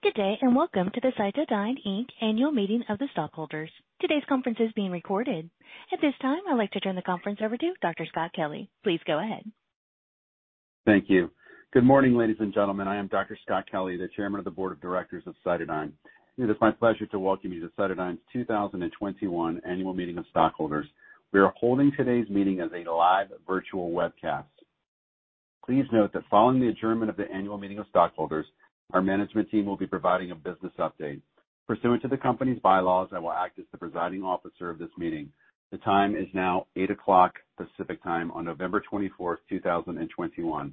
Good day, and welcome to the CytoDyn, Inc. Annual Meeting of the Stockholders. Today's conference is being recorded. At this time, I'd like to turn the conference over to Dr. Scott Kelly. Please go ahead. Thank you. Good morning, ladies and gentlemen. I am Dr. Scott Kelly, the Chairman of the Board of Directors of CytoDyn. It is my pleasure to welcome you to CytoDyn's 2021 Annual Meeting of Stockholders. We are holding today's meeting as a live virtual webcast. Please note that following the adjournment of the annual meeting of stockholders, our management team will be providing a business update. Pursuant to the company's bylaws, I will act as the presiding officer of this meeting. The time is now 8:00 A.M. Pacific Time on November 24th, 2021.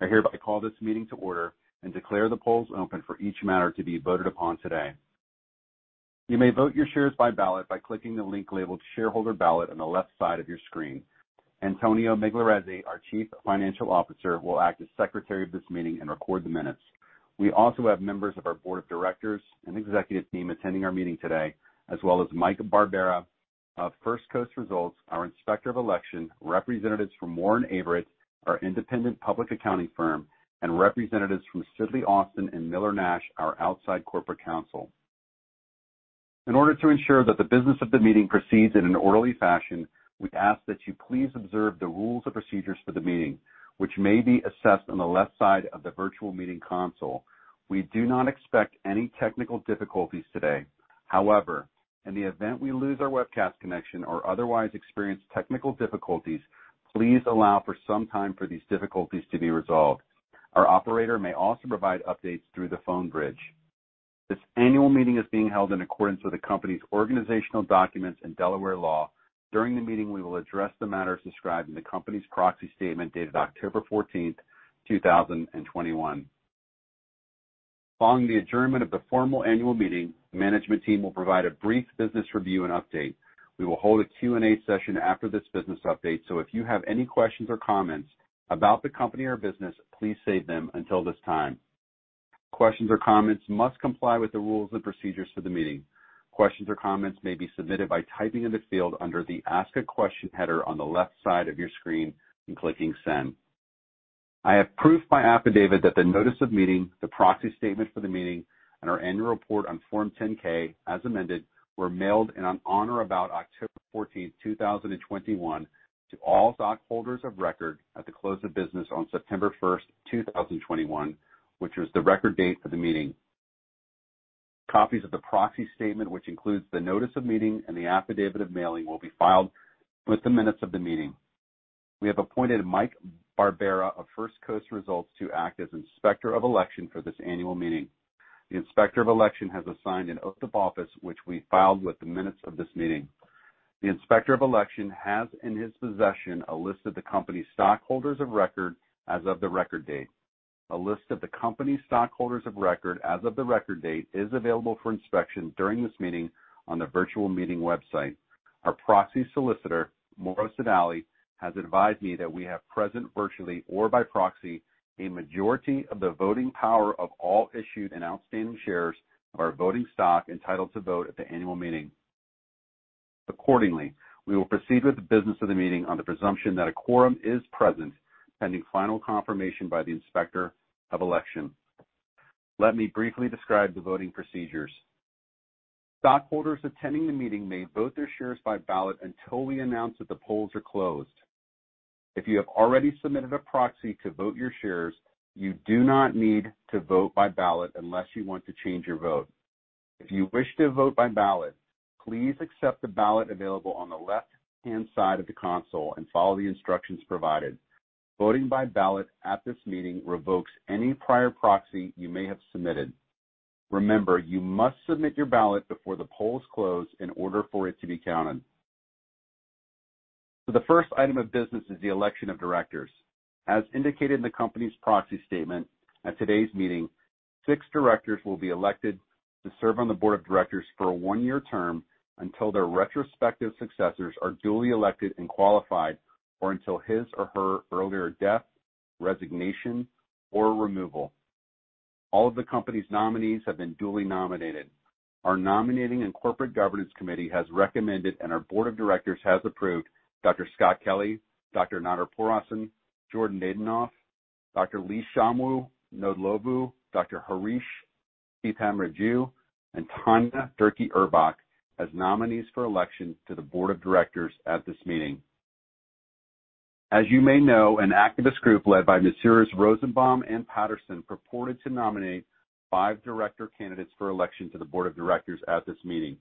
I hereby call this meeting to order and declare the polls open for each matter to be voted upon today. You may vote your shares by ballot by clicking the link labeled Shareholder Ballot on the left side of your screen. Antonio Migliarese, our Chief Financial Officer, will act as Secretary of this meeting and record the minutes. We also have members of our board of directors and executive team attending our meeting today, as well as Mike Barbera of First Coast Results, our Inspector of Election, representatives from Warren Averett, our independent public accounting firm, and representatives from Sidley Austin and Miller Nash, our outside corporate counsel. In order to ensure that the business of the meeting proceeds in an orderly fashion, we ask that you please observe the rules and procedures for the meeting, which may be accessed on the left side of the virtual meeting console. We do not expect any technical difficulties today. However, in the event we lose our webcast connection or otherwise experience technical difficulties, please allow for some time for these difficulties to be resolved. Our operator may also provide updates through the phone bridge. This annual meeting is being held in accordance with the company's organizational documents and Delaware law. During the meeting, we will address the matters described in the company's proxy statement dated October 14th, 2021. Following the adjournment of the formal annual meeting, the management team will provide a brief business review and update. We will hold a Q&A session after this business update, so if you have any questions or comments about the company or business, please save them until this time. Questions or comments must comply with the rules and procedures for the meeting. Questions or comments may be submitted by typing in the field under the Ask a Question header on the left side of your screen and clicking send. I have proof by affidavit that the notice of meeting, the proxy statement for the meeting, and our annual report on Form 10-K as amended, were mailed in on or about October 14, 2021 to all stockholders of record at the close of business on September 1, 2021, which was the record date for the meeting. Copies of the proxy statement, which includes the notice of meeting and the affidavit of mailing, will be filed with the minutes of the meeting. We have appointed Mike Barbera of First Coast Results to act as Inspector of Election for this annual meeting. The Inspector of Election has assigned an oath of office, which we filed with the minutes of this meeting. The Inspector of Election has in his possession a list of the company's stockholders of record as of the record date. A list of the company's stockholders of record as of the record date is available for inspection during this meeting on the virtual meeting website. Our proxy solicitor, Morrow Sodali, has advised me that we have present virtually or by proxy a majority of the voting power of all issued and outstanding shares of our voting stock entitled to vote at the annual meeting. Accordingly, we will proceed with the business of the meeting on the presumption that a quorum is present, pending final confirmation by the Inspector of Election. Let me briefly describe the voting procedures. Stockholders attending the meeting may vote their shares by ballot until we announce that the polls are closed. If you have already submitted a proxy to vote your shares, you do not need to vote by ballot unless you want to change your vote. If you wish to vote by ballot, please accept the ballot available on the left-hand side of the console and follow the instructions provided. Voting by ballot at this meeting revokes any prior proxy you may have submitted. Remember, you must submit your ballot before the polls close in order for it to be counted. The first item of business is the election of directors. As indicated in the company's proxy statement, at today's meeting, six directors will be elected to serve on the board of directors for a one-year term until their respective successors are duly elected and qualified, or until his or her earlier death, resignation, or removal. All of the company's nominees have been duly nominated. Our Nominating and Corporate Governance Committee has recommended, and our Board of Directors has approved Dr. Scott Kelly, Dr. Nader Pourhassan, Jordan Naydenov, Dr. Lishomwa Ndhlovu, Dr. Harish Seethamraju and Tanya Durkee Urbach as nominees for election to the Board of Directors at this meeting. As you may know, an activist group led by Missuras, Rosenbaum, and Patterson purported to nominate five director candidates for election to the board of directors at this meeting.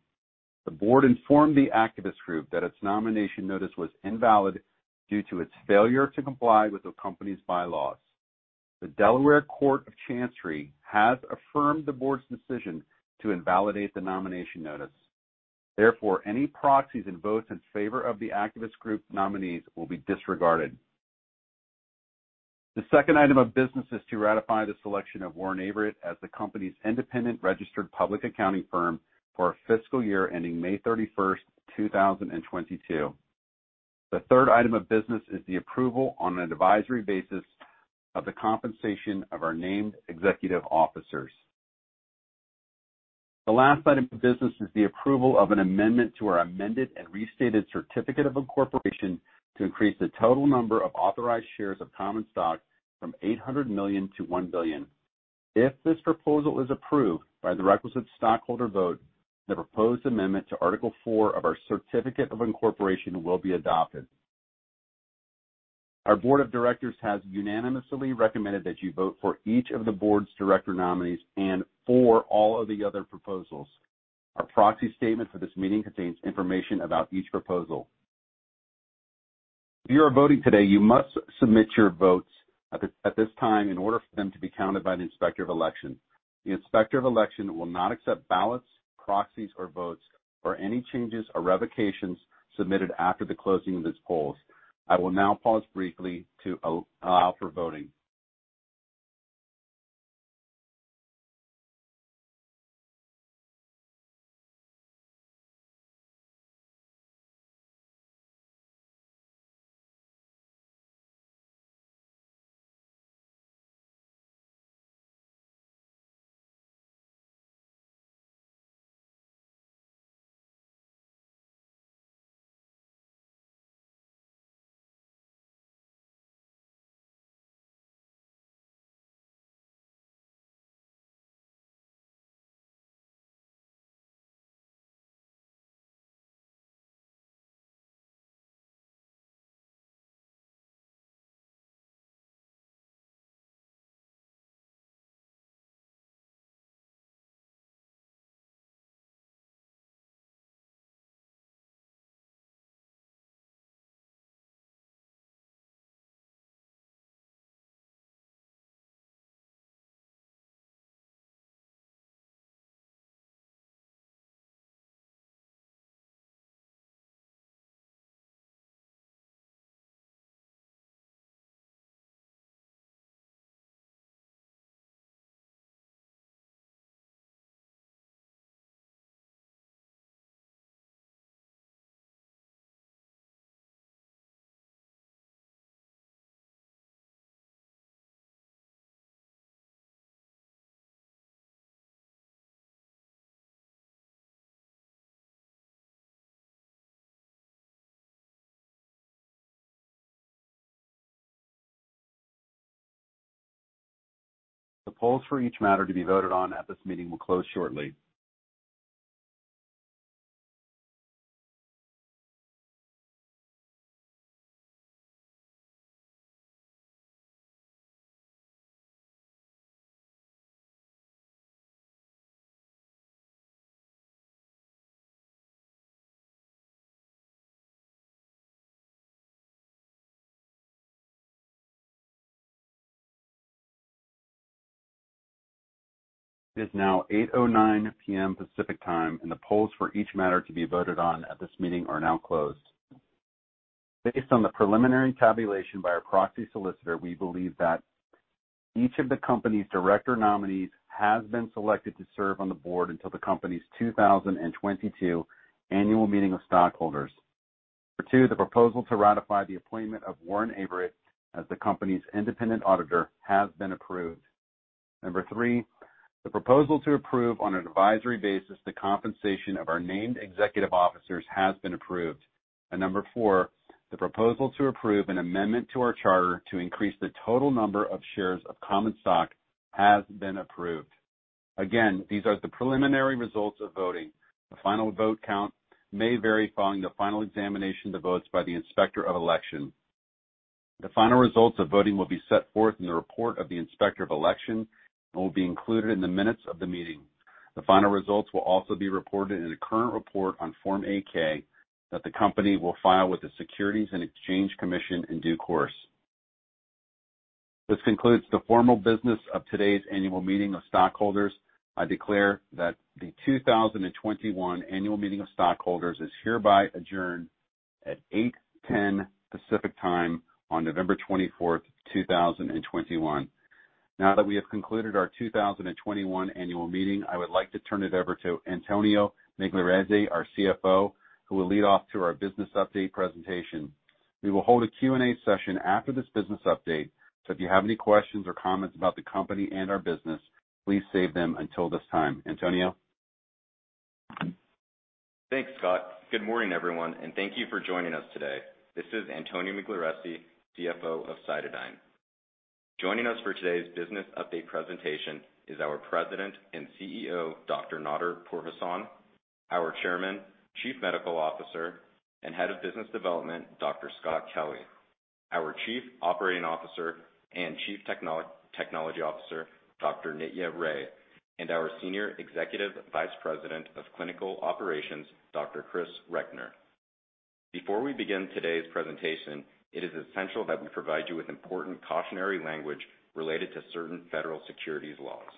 The board informed the activist group that its nomination notice was invalid due to its failure to comply with the company's bylaws. The Delaware Court of Chancery has affirmed the board's decision to invalidate the nomination notice. Therefore, any proxies and votes in favor of the activist group nominees will be disregarded. The second item of business is to ratify the selection of Warren Averett as the company's independent registered public accounting firm for our fiscal year ending May 31st, 2022. The third item of business is the approval on an advisory basis of the compensation of our named executive officers. The last item of business is the approval of an amendment to our amended and restated certificate of incorporation to increase the total number of authorized shares of common stock from 800 million to 1 billion. If this proposal is approved by the requisite stockholder vote, the proposed amendment to Article Four of our Certificate of Incorporation will be adopted. Our board of directors has unanimously recommended that you vote for each of the board's director nominees and for all of the other proposals. Our proxy statement for this meeting contains information about each proposal. If you are voting today, you must submit your votes at this time in order for them to be counted by the Inspector of Election. The Inspector of Election will not accept ballots, proxies, or votes, or any changes or revocations submitted after the closing of these polls. I will now pause briefly to allow for voting. The polls for each matter to be voted on at this meeting will close shortly. It is now 8:09 P.M. Pacific Time, and the polls for each matter to be voted on at this meeting are now closed. Based on the preliminary tabulation by our proxy solicitor, we believe that each of the company's director nominees has been selected to serve on the board until the company's 2022 annual meeting of stockholders. Number two, the proposal to ratify the appointment of Warren Averett as the company's independent auditor has been approved. Number three, the proposal to approve on an advisory basis the compensation of our named executive officers has been approved. Number four, the proposal to approve an amendment to our charter to increase the total number of shares of common stock has been approved. These are the preliminary results of voting. The final vote count may vary following the final examination of the votes by the Inspector of Election. The final results of voting will be set forth in the report of the Inspector of Election and will be included in the minutes of the meeting. The final results will also be reported in a current report on Form 8-K that the company will file with the Securities and Exchange Commission in due course. This concludes the formal business of today's annual meeting of stockholders. I declare that the 2021 annual meeting of stockholders is hereby adjourned at 8:10 Pacific Time on November 24th, 2021. Now that we have concluded our 2021 annual meeting, I would like to turn it over to Antonio Migliarese, our CFO, who will lead off to our business update presentation. We will hold a Q&A session after this business update, so if you have any questions or comments about the company and our business, please save them until this time. Antonio. Thanks, Scott. Good morning, everyone, and thank you for joining us today. This is Antonio Migliarese, CFO of CytoDyn. Joining us for today's business update presentation is our President and CEO, Dr. Nader Pourhassan, our Chairman, Chief Medical Officer, and Head of Business Development, Dr. Scott Kelly, our Chief Operating Officer and Chief Technology Officer, Dr. Nitya Ray, and our Senior Executive Vice President of Clinical Operations, Dr. Chris Recknor. Before we begin today's presentation, it is essential that we provide you with important cautionary language related to certain federal securities laws.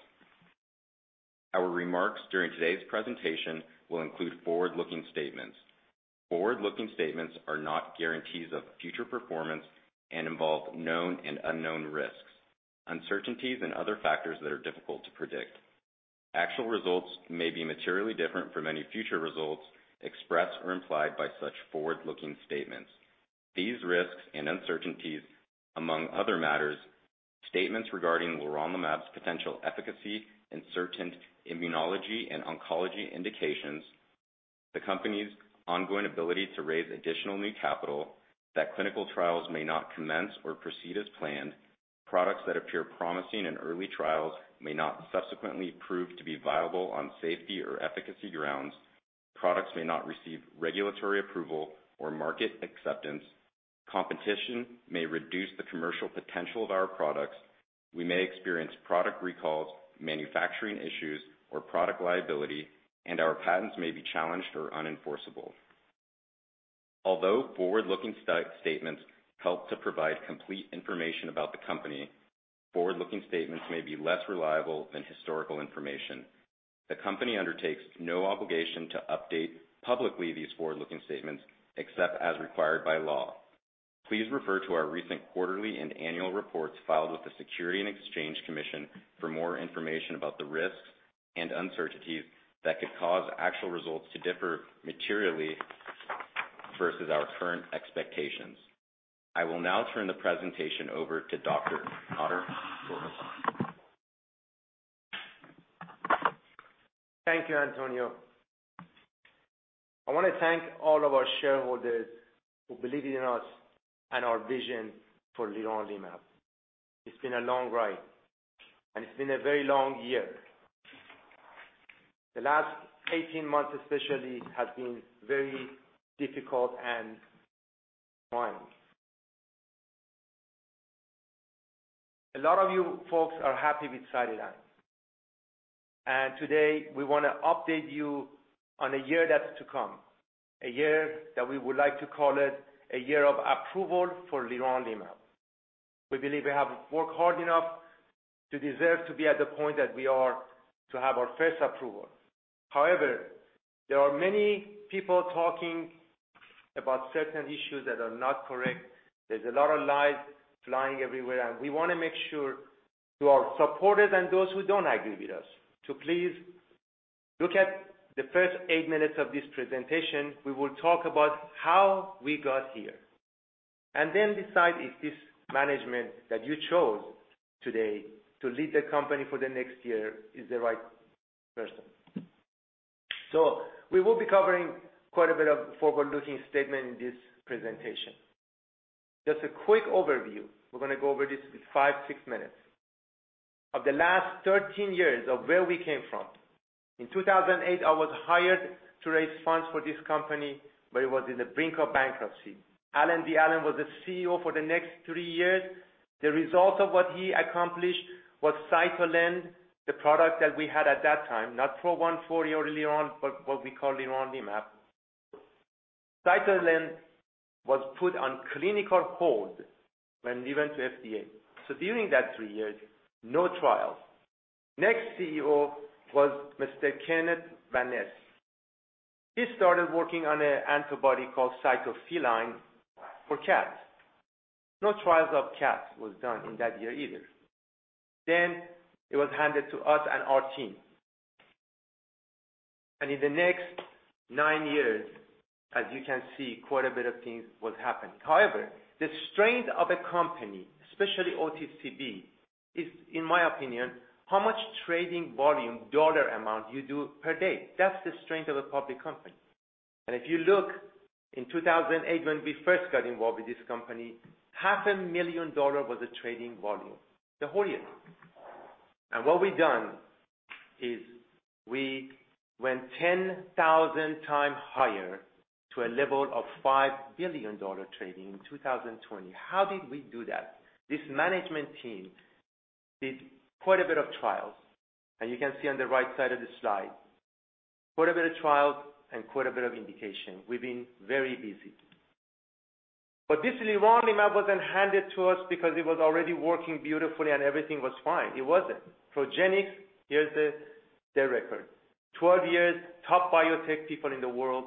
Our remarks during today's presentation will include forward-looking statements. Forward-looking statements are not guarantees of future performance and involve known and unknown risks, uncertainties, and other factors that are difficult to predict. Actual results may be materially different from any future results expressed or implied by such forward-looking statements. These risks and uncertainties, among other matters, statements regarding leronlimab's potential efficacy in certain immunology and oncology indications, the company's ongoing ability to raise additional new capital, that clinical trials may not commence or proceed as planned, products that appear promising in early trials may not subsequently prove to be viable on safety or efficacy grounds, products may not receive regulatory approval or market acceptance,. Competition may reduce the commercial potential of our products, we may experience product recalls, manufacturing issues, or product liability, and our patents may be challenged or unenforceable. Although forward-looking statements help to provide complete information about the company, forward-looking statements may be less reliable than historical information. The company undertakes no obligation to update publicly these forward-looking statements except as required by law. Please refer to our recent quarterly and annual reports filed with the Securities and Exchange Commission for more information about the risks and uncertainties that could cause actual results to differ materially versus our current expectations. I will now turn the presentation over to Dr. Nader Pourhassan. Thank you, Antonio. I wanna thank all of our shareholders who believe in us and our vision for leronlimab. It's been a long ride, and it's been a very long year. The last 18 months especially have been very difficult and trying. A lot of you folks are happy with CytoDyn. Today, we wanna update you on a year that's to come, a year that we would like to call it a year of approval for leronlimab. We believe we have worked hard enough to deserve to be at the point that we are to have our first approval. However, there are many people talking about certain issues that are not correct. There's a lot of lies flying everywhere, and we wanna make sure to our supporters and those who don't agree with us to please look at the first eight minutes of this presentation. We will talk about how we got here. Then decide if this management that you chose today to lead the company for the next year is the right person. We will be covering quite a bit of forward-looking statement in this presentation. Just a quick overview. We're gonna go over this in five, six minutes of the last 13 years of where we came from. In 2008, I was hired to raise funds for this company, but it was on the brink of bankruptcy. Allen D. Allen was the CEO for the next three years. The result of what he accomplished was Cytolin, the product that we had at that time, not PRO 140 or leron, but what we call leronlimab. Cytolin was put on clinical hold when we went to FDA. During that three years, no trials. Next CEO was Mr. Kenneth Van Ness. He started working on an antibody called CytoFeline for cats. No trials of cats was done in that year either. It was handed to us and our team. In the next nine years, as you can see, quite a bit of things was happening. However, the strength of a company, especially OTCBB, is, in my opinion, how much trading volume dollar amount you do per day. That's the strength of a public company. If you look in 2008 when we first got involved with this company, $500,000 was the trading volume, the whole year. What we've done is we went 10,000 times higher to a level of $5 billion trading in 2020. How did we do that? This management team did quite a bit of trials, and you can see on the right side of this slide. Quite a bit of trials and quite a bit of indication. We've been very busy. This leronlimab wasn't handed to us because it was already working beautifully and everything was fine. It wasn't. Progenics, here's the record. 12 years, top biotech people in the world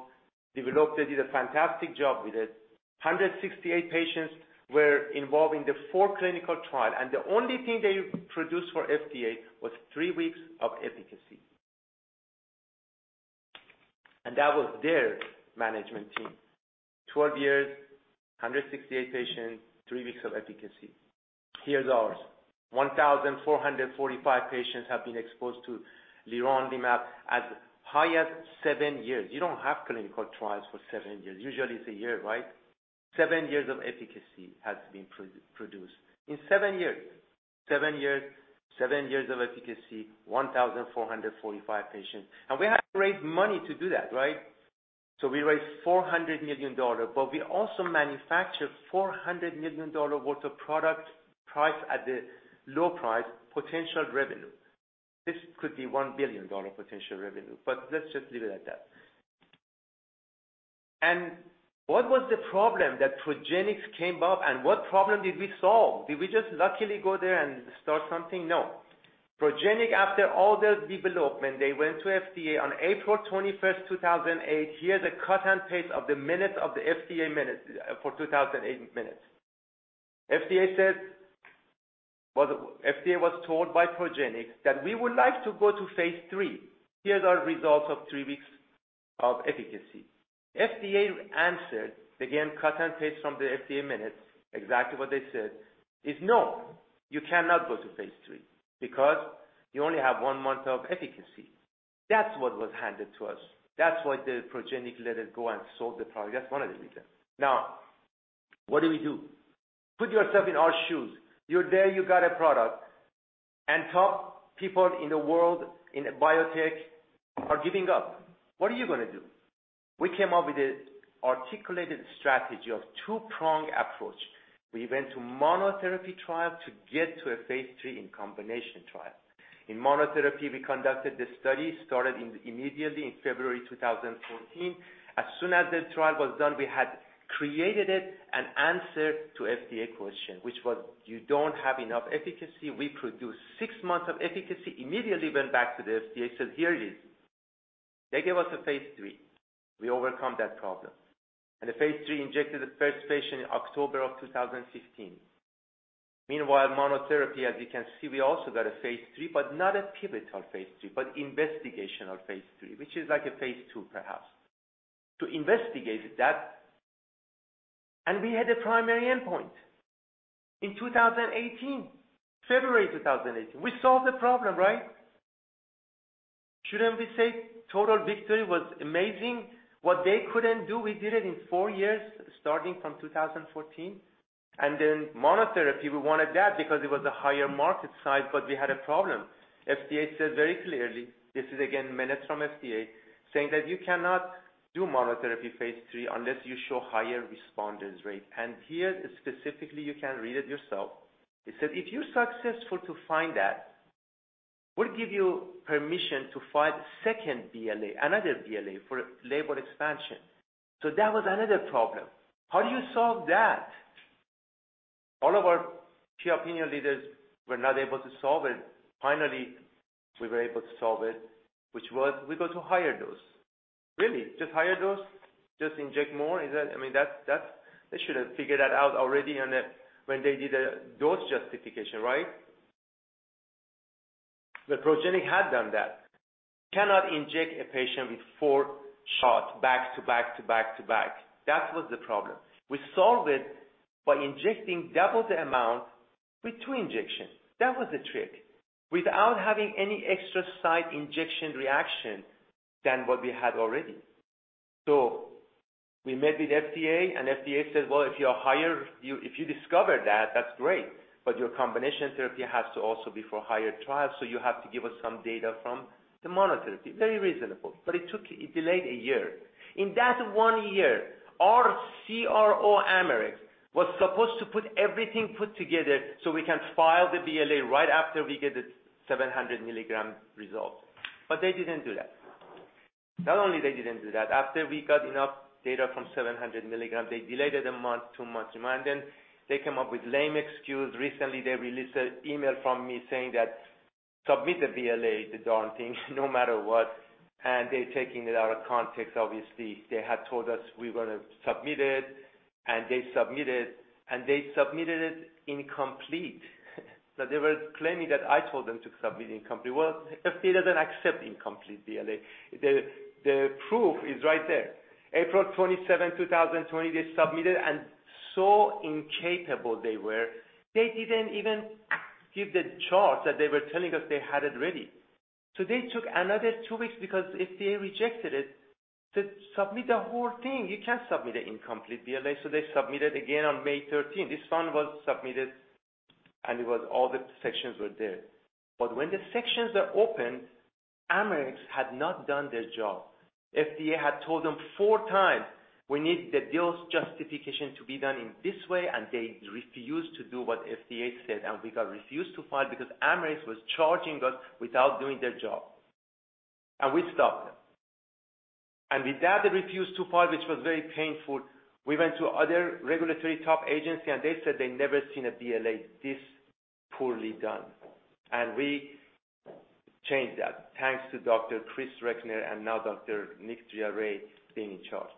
developed it, did a fantastic job with it. 168 patients were involved in the four clinical trial, and the only thing they produced for FDA was three weeks of efficacy. That was their management team. 12 years, 168 patients, three weeks of efficacy. Here's ours. 1,445 patients have been exposed to leronlimab as high as seven years. You don't have clinical trials for seven years. Usually, it's a year, right? Seven years of efficacy has been produced. In seven years of efficacy, 1,445 patients. We had to raise money to do that, right? We raised $400 million, but we also manufactured $400 million worth of products priced at the low price potential revenue. This could be $1 billion potential revenue, but let's just leave it at that. What was the problem that Progenics came up, and what problem did we solve? Did we just luckily go there and start something? No. Progenics, after all their development, they went to FDA on April 21st, 2008. Here's a cut and paste of the minutes of the FDA minutes for 2008 minutes. FDA says. Well, the FDA was told by Progenics that we would like to go to phase III. Here's our results of three weeks of efficacy. FDA answered, again, cut and paste from the FDA minutes, exactly what they said is, "No, you cannot go to phase III because you only have one month of efficacy." That's what was handed to us. That's why Progenics let it go and sold the product. That's one of the reasons. Now, what do we do? Put yourself in our shoes. You're there, you got a product, and top people in the world in biotech are giving up. What are you gonna do? We came up with the articulated strategy of two-prong approach. We went to monotherapy trial to get to a phase III in combination trial. In monotherapy, we conducted the study, started immediately in February 2014. As soon as the trial was done, we had created it, an answer to FDA question, which was, "You don't have enough efficacy." We produced six months of efficacy, immediately went back to the FDA, said, "Here it is." They gave us a phase III. We overcome that problem. The phase III injected the first patient in October 2015. Meanwhile, monotherapy, as you can see, we also got a phase III, but not a pivotal phase III, but investigational phase III, which is like a phase II perhaps, to investigate that. We had a primary endpoint in 2018, February 2018. We solved the problem, right? Shouldn't we say total victory was amazing? What they couldn't do, we did it in four years, starting from 2014. Then monotherapy, we wanted that because it was a higher market size, but we had a problem. FDA said very clearly, this is again minutes from FDA, saying that you cannot do monotherapy phase III unless you show higher responders rate. Here specifically, you can read it yourself. It said, "If you're successful to find that, we'll give you permission to file a second BLA, another BLA for label expansion." That was another problem. How do you solve that? All of our key opinion leaders were not able to solve it. Finally, we were able to solve it, which was we go to higher dose. Really? Just higher dose? Just inject more? Is that? I mean, that's. They should have figured that out already when they did a dose justification, right? Progenics had done that. Cannot inject a patient with four shots back to back. That was the problem. We solved it by injecting double the amount with two injections. That was the trick without having any extra injection site reaction than what we had already. We met with FDA, and FDA said, "Well, if you are higher, if you discover that's great. But your combination therapy has to also be for higher trials, so you have to give us some data from the monotherapy." Very reasonable. It took a year. It delayed a year. In that one year, our CRO, Amarex, was supposed to put everything together, so we can file the BLA right after we get the 700 milligram results. They didn't do that. Not only they didn't do that, after we got enough data from 700 milligrams, they delayed it a month, two months. Then they come up with lame excuse. Recently, they released an email from me saying that, "Submit the BLA, the darn thing, no matter what." They're taking it out of context, obviously. They had told us we were gonna submit it, and they submitted, and they submitted it incomplete. Now, they're claiming that I told them to submit incomplete. Well, FDA doesn't accept incomplete BLA. The proof is right there. April 27th, 2020, they submitted, and so incapable they were. They didn't even give the charts that they were telling us they had it ready. They took another two weeks because FDA rejected it. Said, "Submit the whole thing. You can't submit an incomplete BLA." They submitted again on May 13th. This one was submitted, and it was all the sections were there. But when the sections are opened, Amarex had not done their job. FDA had told them four times, "We need the dose justification to be done in this way," and they refused to do what FDA said, and we got refused to file because Amarex was charging us without doing their job. We stopped them. With that, the refuse to file, which was very painful, we went to other regulatory top agency, and they said they'd never seen a BLA this poorly done. We changed that. Thanks to Dr. Chris Recknor and now Dr. Nitya Ray being in charge.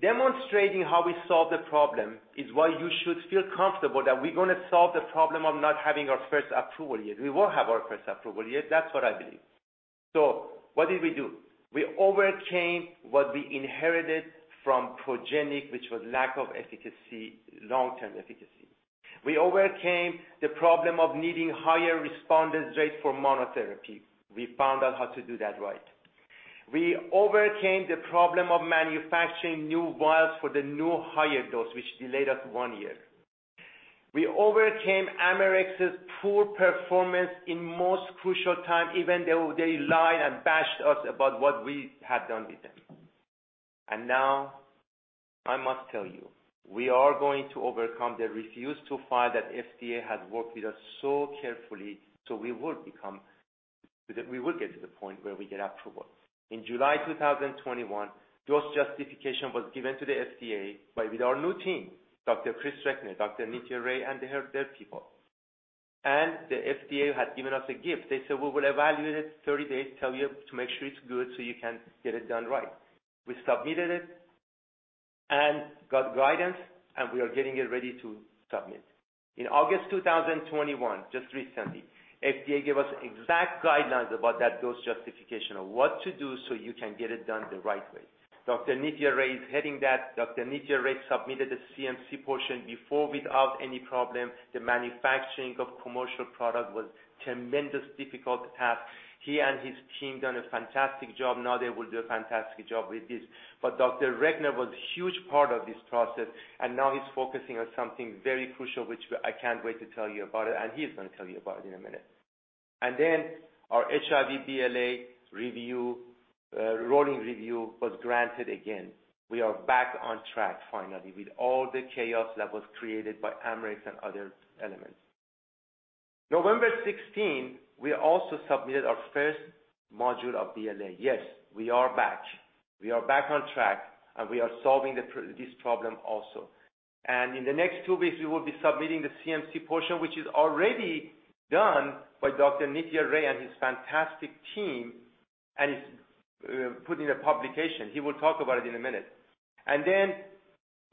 Demonstrating how we solved the problem is why you should feel comfortable that we're gonna solve the problem of not having our first approval yet. We will have our first approval yet. That's what I believe. What did we do? We overcame what we inherited from Progenics, which was lack of efficacy, long-term efficacy. We overcame the problem of needing higher response rate for monotherapy. We found out how to do that right. We overcame the problem of manufacturing new vials for the new higher dose, which delayed us one year. We overcame Amarex's poor performance in most crucial time, even though they lied and bashed us about what we had done with them. Now I must tell you, we are going to overcome the refusal to file that FDA has worked with us so carefully, so we will get to the point where we get approval. In July 2021, dose justification was given to the FDA by with our new team, Dr. Chris Recknor, Dr. Nitya Ray, and their people. The FDA had given us a gift. They said, "We will evaluate it 30 days, tell you to make sure it's good, so you can get it done right." We submitted it, got guidance, and we are getting it ready to submit. In August 2021, just recently, FDA gave us exact guidelines about that dose justification of what to do so you can get it done the right way. Dr. Nitya Ray is heading that, Dr. Nitya Ray submitted the CMC portion before without any problem. The manufacturing of commercial product was tremendous difficult task. He and his team done a fantastic job. Now they will do a fantastic job with this. Dr. Recknor was huge part of this process, and now he's focusing on something very crucial, which I can't wait to tell you about it, and he is gonna tell you about it in a minute. Then our HIV BLA review, rolling review was granted again. We are back on track finally with all the chaos that was created by Amarex and other elements. November 16, we also submitted our first module of BLA. Yes, we are back. We are back on track, and we are solving this problem also. In the next two weeks, we will be submitting the CMC portion, which is already done by Dr. Nitya Ray and his fantastic team, and it's put in a publication. He will talk about it in a minute.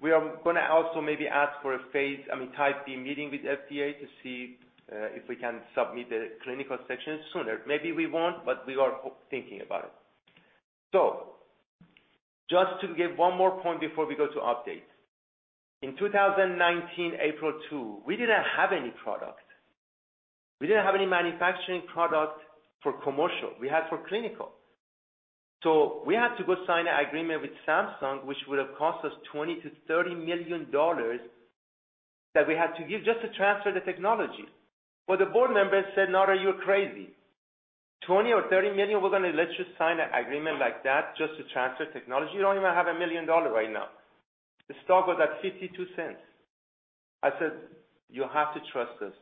We are gonna also maybe ask for a phase, I mean, type B meeting with FDA to see if we can submit the clinical section sooner. Maybe we won't, but we are thinking about it. Just to give one more point before we go to updates. In 2019, April 2, we didn't have any product. We didn't have any manufacturing product for commercial. We had for clinical. We had to go sign an agreement with Samsung, which would have cost us $20 million-$30 million that we had to give just to transfer the technology. But the board members said, "Nader, you're crazy. $20 million or $30 million, we're gonna let you sign an agreement like that just to transfer technology? You don't even have a million dollar right now." The stock was at $0.52. I said, "You have to trust us."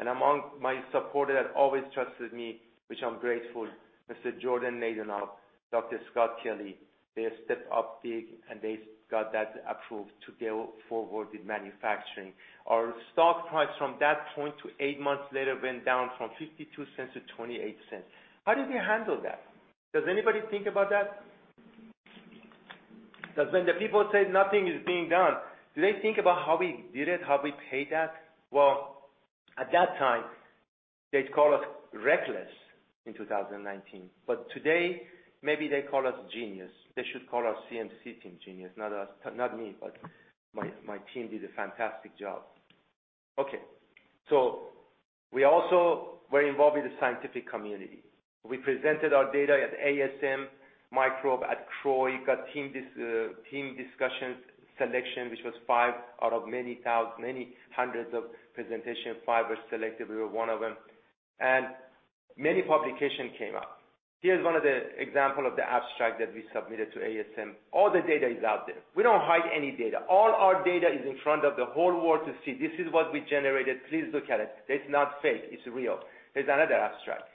Among my supporter that always trusted me, which I'm grateful, Mr. Jordan Naydenov, Dr. Scott Kelly, they stepped up big, and they got that approved to go forward with manufacturing. Our stock price from that point to eight months later went down from $0.52 to $0.28. How did we handle that? Does anybody think about that? Because when the people say nothing is being done, do they think about how we did it, how we paid that? Well, at that time, they'd call us reckless in 2019, but today, maybe they call us genius. They should call our CMC team genius, not us, not me, but my team did a fantastic job. We also were involved with the scientific community. We presented our data at ASM Microbe at CROI, got team discussion selection, which was five out of many hundreds of presentations. Five were selected. We were one of them. Many publications came out. Here's one of the examples of the abstract that we submitted to ASM. All the data is out there. We don't hide any data. All our data is in front of the whole world to see. This is what we generated. Please look at it. It's not fake. It's real. Here's another abstract.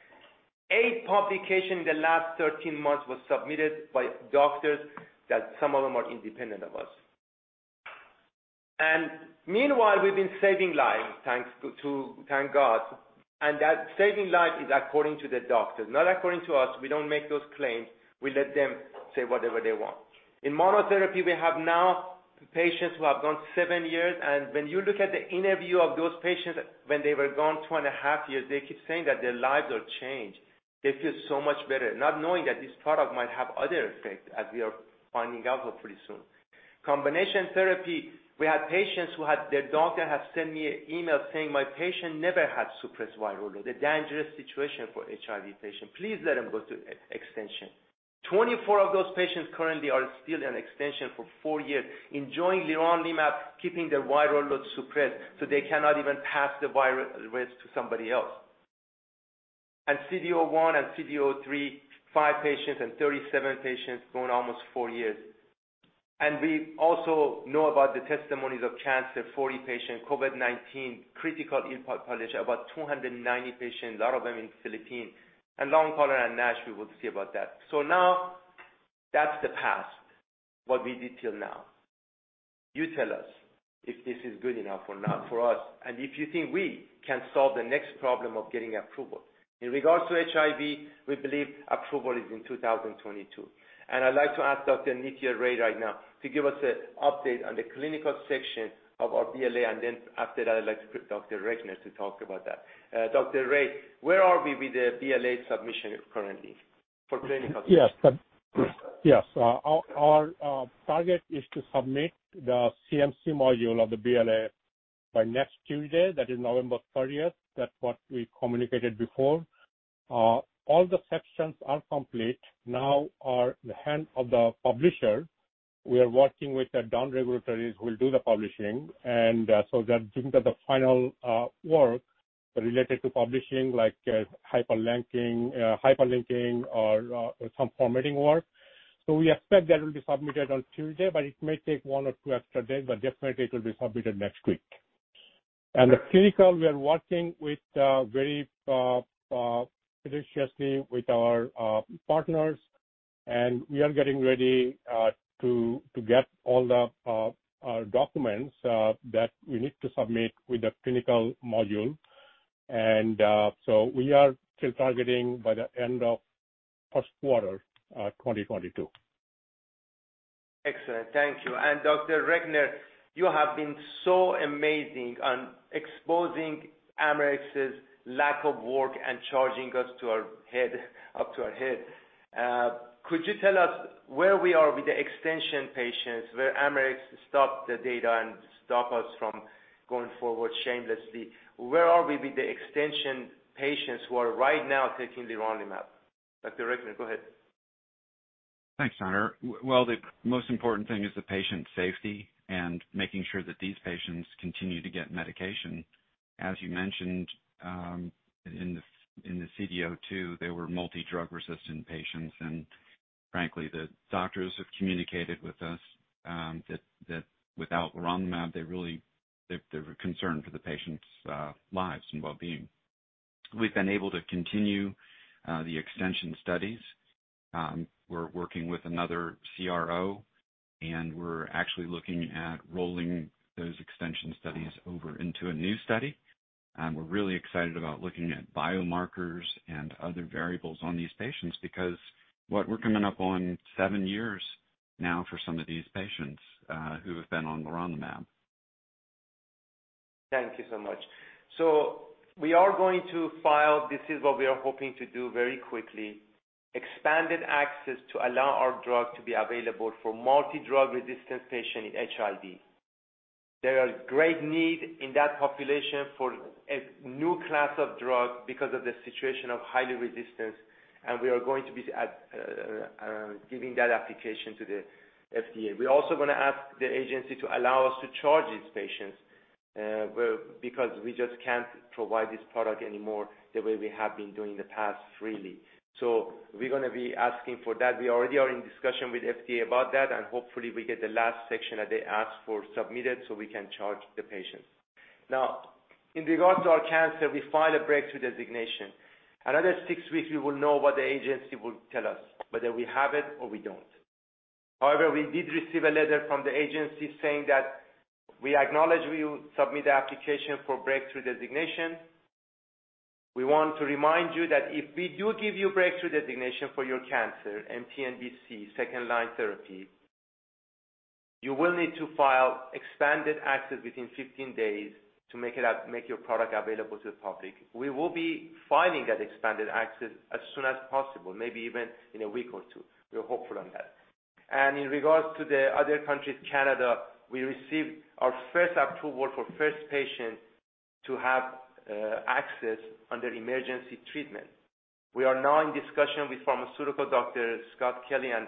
Eight publications in the last 13 months was submitted by doctors that some of them are independent of us. Meanwhile, we've been saving lives, thanks to God. That saving life is according to the doctors, not according to us. We don't make those claims. We let them say whatever they want. In monotherapy, we have now patients who have gone seven years. When you look at the interview of those patients when they were gone two and a half years, they keep saying that their lives are changed. They feel so much better, not knowing that this product might have other effects, as we are finding out hopefully soon. Combination therapy, we had patients whose doctor has sent me an email saying, "My patient never had suppressed viral load, a dangerous situation for HIV patient. Please let him go to extension." 24 of those patients currently are still in extension for four years, enjoying leronlimab, keeping their viral load suppressed, so they cannot even pass the virus risk to somebody else. CD01 and CD03, five patients and 37 patients going almost four years. We also know about the testimonies of cancer, 40 patients, COVID-19, critical impact published, about 290 patients, a lot of them in Philippines, and long COVID and NASH, we will see about that. Now that's the past, what we did till now. You tell us if this is good enough or not for us, and if you think we can solve the next problem of getting approval. In regards to HIV, we believe approval is in 2022. I'd like to ask Dr. Nitya Ray right now to give us an update on the clinical section of our BLA, and then after that, I'd like to put Dr. Recknor to talk about that. Dr. Ray, where are we with the BLA submission currently for clinical section? Yes. Our target is to submit the CMC module of the BLA by next Tuesday. That is November thirtieth. That's what we communicated before. All the sections are complete. They are now in the hands of the publisher. We are working with the downstream regulators who will do the publishing, and so they're doing the final work related to publishing like hyperlinking or some formatting work. We expect that will be submitted on Tuesday, but it may take one or two extra days, but definitely it will be submitted next week. The clinical, we are working very judiciously with our partners, and we are getting ready to get all the documents that we need to submit with the clinical module. We are still targeting by the end of First quarter 2022. Excellent. Thank you. Dr. Recknor, you have been so amazing on exposing Amarex's lack of work and charging us up to our neck. Could you tell us where we are with the extension patients where Amarex stopped the data and stopped us from going forward shamelessly? Where are we with the extension patients who are right now taking the leronlimab? Dr. Recknor, go ahead. Thanks, Nader. Well, the most important thing is the patient safety and making sure that these patients continue to get medication. As you mentioned, in the CD02, they were multi-drug-resistant patients. Frankly, the doctors have communicated with us that without leronlimab, they really are concerned for the patients' lives and well-being. We've been able to continue the extension studies. We're working with another CRO, and we're actually looking at rolling those extension studies over into a new study. We're really excited about looking at biomarkers and other variables on these patients because what we're coming up on seven years now for some of these patients who have been on leronlimab. Thank you so much. We are going to file, this is what we are hoping to do very quickly, expanded access to allow our drug to be available for multi-drug-resistant patient in HIV. There are great need in that population for a new class of drug because of the situation of high resistance, and we are going to be giving that application to the FDA. We're also gonna ask the agency to allow us to charge these patients, because we just can't provide this product anymore the way we have been doing in the past freely. We're gonna be asking for that. We already are in discussion with FDA about that, and hopefully we get the last section that they ask for submitted so we can charge the patients. Now, in regards to our cancer, we filed a breakthrough designation. Another six weeks, we will know what the agency will tell us, whether we have it or we don't. However, we did receive a letter from the agency saying that, "We acknowledge your submission of the application for breakthrough designation. We want to remind you that if we do give you breakthrough designation for your cancer, mTNBC second-line therapy, you will need to file expanded access within 15 days to make your product available to the public." We will be filing that expanded access as soon as possible, maybe even in a week or two. We're hopeful on that. In regards to the other countries, Canada, we received our first approval for first patient to have access under emergency treatment. We are now in discussion with pharmaceutical. Dr. Scott Kelly and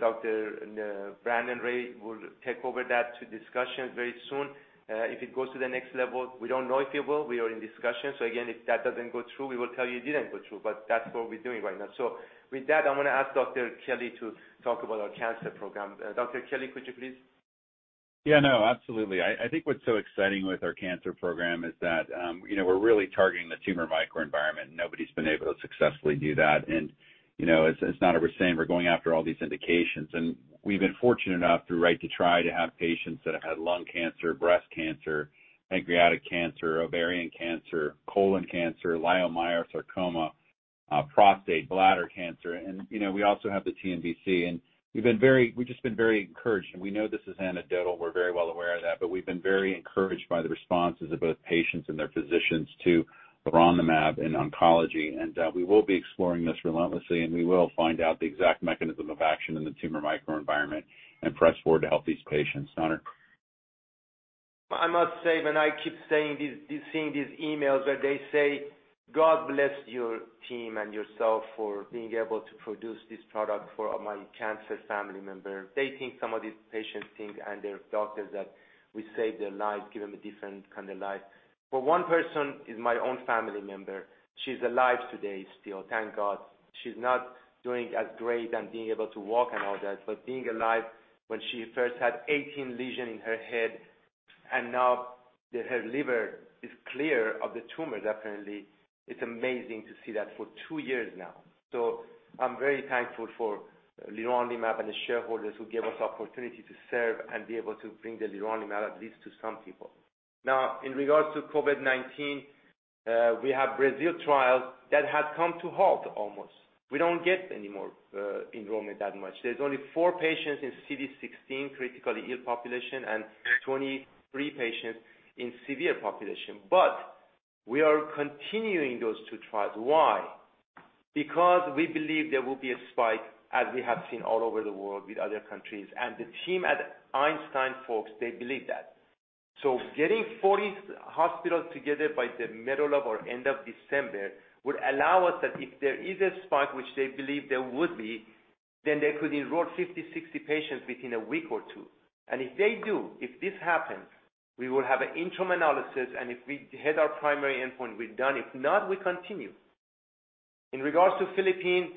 Dr. Brendan Rae will take over that discussion very soon. If it goes to the next level, we don't know if it will. We are in discussion. Again, if that doesn't go through, we will tell you it didn't go through, but that's what we're doing right now. With that, I'm gonna ask Dr. Kelly to talk about our cancer program. Dr. Kelly, could you please? Yeah, no, absolutely. I think what's so exciting with our cancer program is that, you know, we're really targeting the tumor microenvironment. Nobody's been able to successfully do that. You know, as Nader was saying, we're going after all these indications. We've been fortunate enough through Right to Try to have patients that have had lung cancer, breast cancer, pancreatic cancer, ovarian cancer, colon cancer, leiomyosarcoma, prostate, bladder cancer, and, you know, we also have the TNBC. We've just been very encouraged, and we know this is anecdotal, we're very well aware of that, but we've been very encouraged by the responses of both patients and their physicians to leronlimab in oncology. We will be exploring this relentlessly, and we will find out the exact mechanism of action in the tumor microenvironment and press forward to help these patients. Nader. I must say seeing these emails where they say, "God bless your team and yourself for being able to produce this product for my cancer family member." They think some of these patients and their doctors that we save their life, give them a different kind of life. For one person is my own family member. She's alive today still, thank God. She's not doing as great and being able to walk and all that, but being alive when she first had 18 lesions in her head and now her liver is clear of the tumors apparently. It's amazing to see that for two years now. I'm very thankful for leronlimab and the shareholders who gave us opportunity to serve and be able to bring the leronlimab at least to some people. Now, in regards to COVID-19, we have Brazil trials that have come to halt almost. We don't get any more enrollment that much. There's only four patients in CD16 critically ill population and 23 patients in severe population. We are continuing those two trials. Why? Because we believe there will be a spike as we have seen all over the world with other countries. The team at Einstein folks, they believe that. Getting 40 hospitals together by the middle of or end of December would allow us that if there is a spike, which they believe there would be, then they could enroll 50, 60 patients within a week or two. If they do, if this happens, we will have an interim analysis, and if we hit our primary endpoint, we're done. If not, we continue. In regards to Philippines,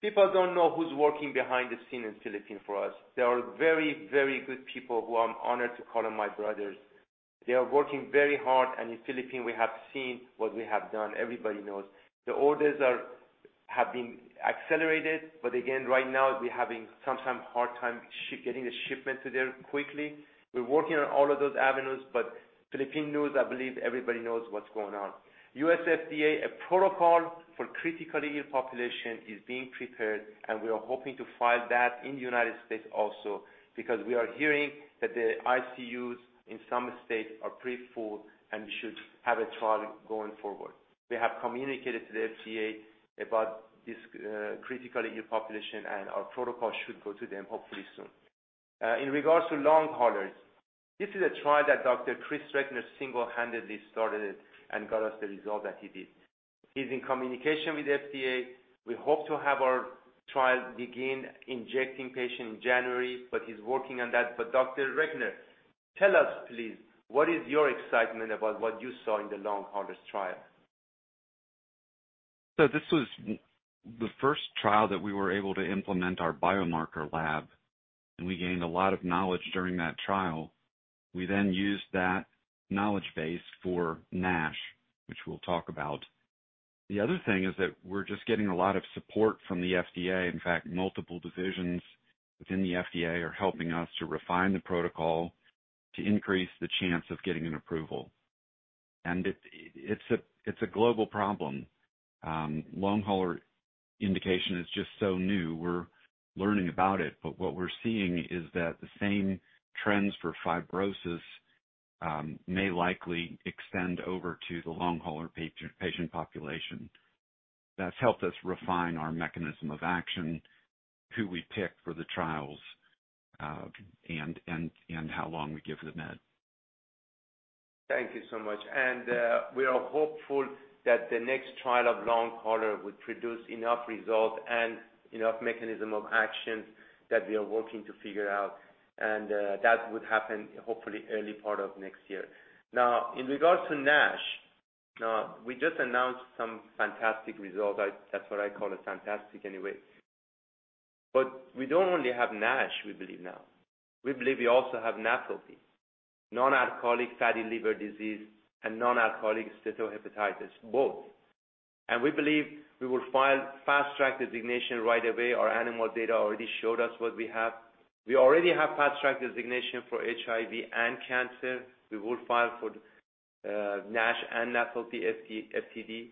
people don't know who's working behind the scenes in Philippines for us. There are very, very good people who I'm honored to call them my brothers. They are working very hard. In Philippines, we have seen what we have done. Everybody knows. The orders have been accelerated, but again, right now we're having some hard time getting the shipment to there quickly. We're working on all of those avenues, but Philippine news, I believe everybody knows what's going on. U.S. FDA, a protocol for critically ill population is being prepared, and we are hoping to file that in the United States also because we are hearing that the ICUs in some states are pretty full and we should have a trial going forward. We have communicated to the FDA about this, critically ill population and our protocol should go to them hopefully soon. In regards to long haulers, this is a trial that Dr. Chris Recknor single-handedly started it and got us the result that he did. He's in communication with FDA. We hope to have our trial begin injecting patients in January, but he's working on that. Dr. Recknor, tell us please, what is your excitement about what you saw in the long haulers trial? This was the first trial that we were able to implement our biomarker lab, and we gained a lot of knowledge during that trial. We then used that knowledge base for NASH, which we'll talk about. The other thing is that we're just getting a lot of support from the FDA. In fact, multiple divisions within the FDA are helping us to refine the protocol to increase the chance of getting an approval. It's a global problem. Long hauler indication is just so new. We're learning about it, but what we're seeing is that the same trends for fibrosis may likely extend over to the long hauler patient population. That's helped us refine our mechanism of action, who we pick for the trials, and how long we give the med. Thank you so much. We are hopeful that the next trial of long hauler will produce enough results and enough mechanism of action that we are working to figure out and that would happen hopefully early part of next year. Now, in regards to NASH, we just announced some fantastic results. That's what I call it, fantastic anyway. We don't only have NASH, we believe now. We believe we also have NAFLD, non-alcoholic fatty liver disease and non-alcoholic steatohepatitis, both. We believe we will file Fast Track Designation right away. Our animal data already showed us what we have. We already have Fast Track Designation for HIV and cancer. We will file for NASH and NAFLD, FTD,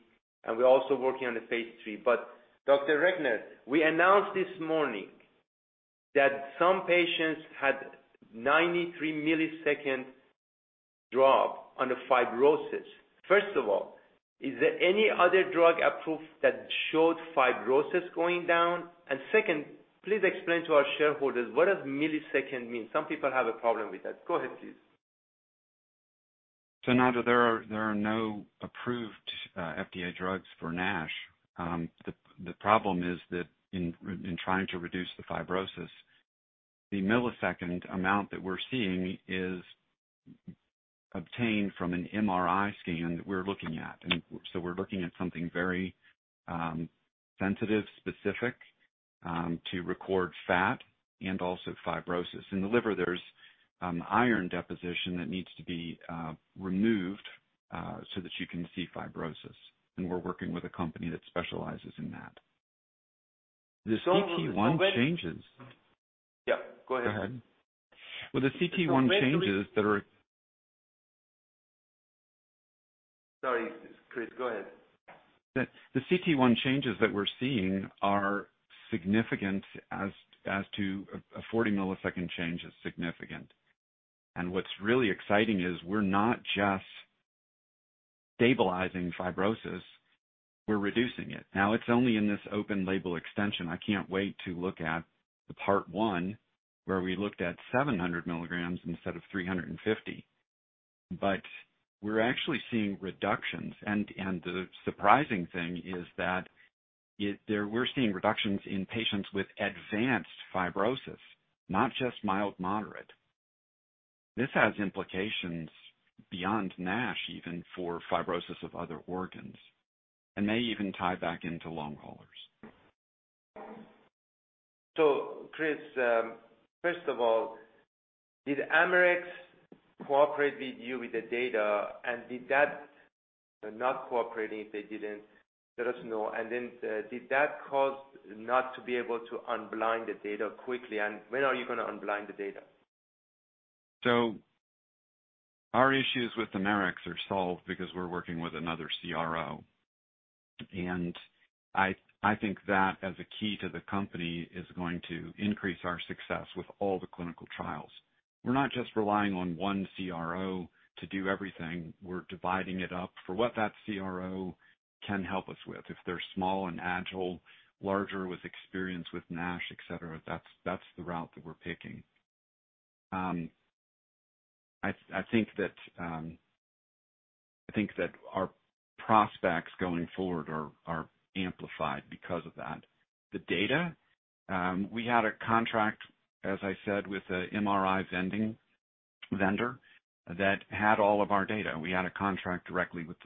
and we're also working on the phase III. Dr. Recknor, we announced this morning that some patients had 93-millisecond drop on the fibrosis. First of all, is there any other drug approved that showed fibrosis going down? Second, please explain to our shareholders, what does millisecond mean? Some people have a problem with that. Go ahead, please. Nader, there are no approved FDA drugs for NASH. The problem is that in trying to reduce the fibrosis, the millisecond amount that we're seeing is obtained from an MRI scan that we're looking at. We're looking at something very sensitive, specific to reduce fat and also fibrosis. In the liver, there's iron deposition that needs to be removed so that you can see fibrosis. We're working with a company that specializes in that. The cT1 changes- Yeah, go ahead. Well, the cT1 changes that are Sorry, Chris, go ahead. The cT1 changes that we're seeing are significant, as a 40-millisecond change is significant. What's really exciting is we're not just stabilizing fibrosis, we're reducing it. Now it's only in this open-label extension. I can't wait to look at the part one where we looked at 700 milligrams instead of 350. We're actually seeing reductions and the surprising thing is that we're seeing reductions in patients with advanced fibrosis, not just mild, moderate. This has implications beyond NASH, even for fibrosis of other organs, and may even tie back into long haulers. Chris, first of all, did Amarex cooperate with you with the data and did that not cooperating if they didn't let us know. Did that cause not to be able to unblind the data quickly? When are you gonna unblind the data? Our issues with Amarex are solved because we're working with another CRO. I think that as a key to the company, is going to increase our success with all the clinical trials. We're not just relying on one CRO to do everything. We're dividing it up for what that CRO can help us with. If they're small and agile, larger with experience with NASH, et cetera, that's the route that we're picking. I think that our prospects going forward are amplified because of that. The data, we had a contract, as I said, with a MRI vendor that had all of our data. We had a contract directly with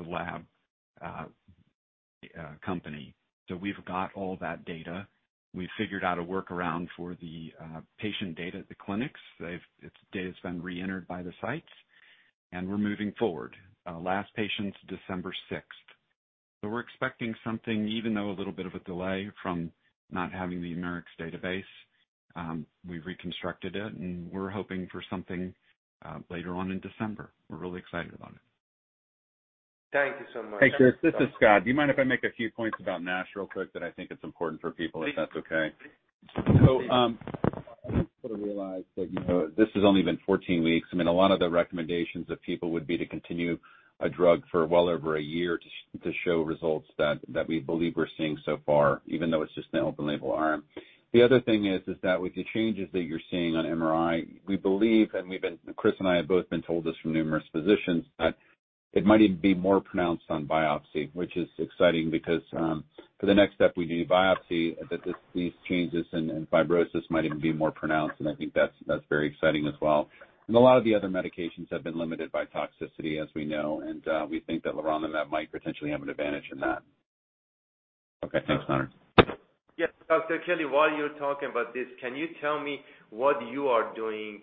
the lab company. We've got all that data. We figured out a workaround for the patient data at the clinics. They've Its data's been reentered by the sites. We're moving forward. Our last patient, December sixth. We're expecting something, even though a little bit of a delay from not having the Numerix database, we reconstructed it, and we're hoping for something, later on in December. We're really excited about it. Thank you so much. Hey, Chris, this is Scott. Do you mind if I make a few points about NASH real quick that I think it's important for people, if that's okay? Please. I think people realize that, you know, this has only been 14 weeks. I mean, a lot of the recommendations of people would be to continue a drug for well over a year to show results that we believe we're seeing so far, even though it's just an open label arm. The other thing is that with the changes that you're seeing on MRI, we believe, and we've been Chris and I have both been told this from numerous physicians, that it might even be more pronounced on biopsy, which is exciting because, for the next step, we do biopsy that these changes in fibrosis might even be more pronounced, and I think that's very exciting as well. A lot of the other medications have been limited by toxicity, as we know, and we think that leronlimab might potentially have an advantage in that. Okay, thanks, Nader. Yes. Dr. Kelly, while you're talking about this, can you tell me what you are doing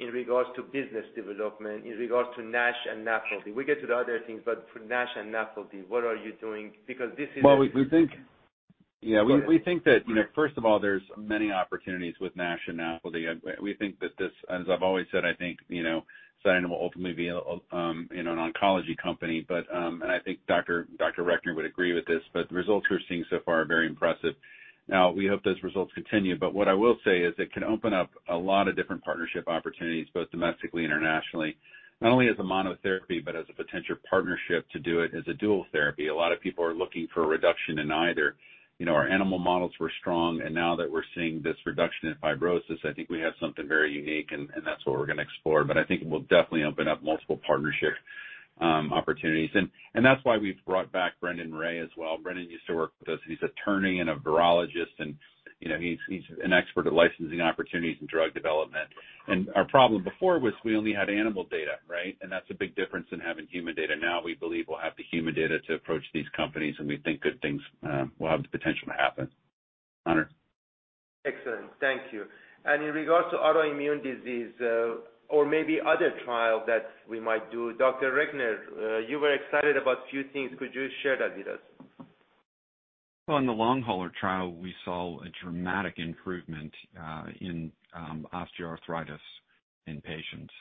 in regards to business development, in regards to NASH and NAFLD? We get to the other things, but for NASH and NAFLD, what are you doing? Because this is a- Well, we think. Yeah. Go ahead. We think that, you know, first of all, there's many opportunities with NASH and NAFLD. As I've always said, I think, you know, CytoDyn will ultimately be a, you know, an oncology company. I think Dr. Recknor would agree with this, but the results we're seeing so far are very impressive. Now, we hope those results continue, but what I will say is it can open up a lot of different partnership opportunities, both domestically, internationally, not only as a monotherapy, but as a potential partnership to do it as a dual therapy. A lot of people are looking for a reduction in either. You know, our animal models were strong, and now that we're seeing this reduction in fibrosis, I think we have something very unique, and that's what we're gonna explore. I think it will definitely open up multiple partnership opportunities. That's why we've brought back Brendan Rae as well. Brendan used to work with us. He's an attorney and a virologist and, you know, he's an expert at licensing opportunities and drug development. Our problem before was we only had animal data, right? That's a big difference in having human data. Now, we believe we'll have the human data to approach these companies, and we think good things will have the potential to happen. Nader. Excellent. Thank you. In regards to autoimmune disease, or maybe other trials that we might do, Dr. Recknor, you were excited about few things. Could you share that with us? On the long hauler trial, we saw a dramatic improvement in osteoarthritis in patients.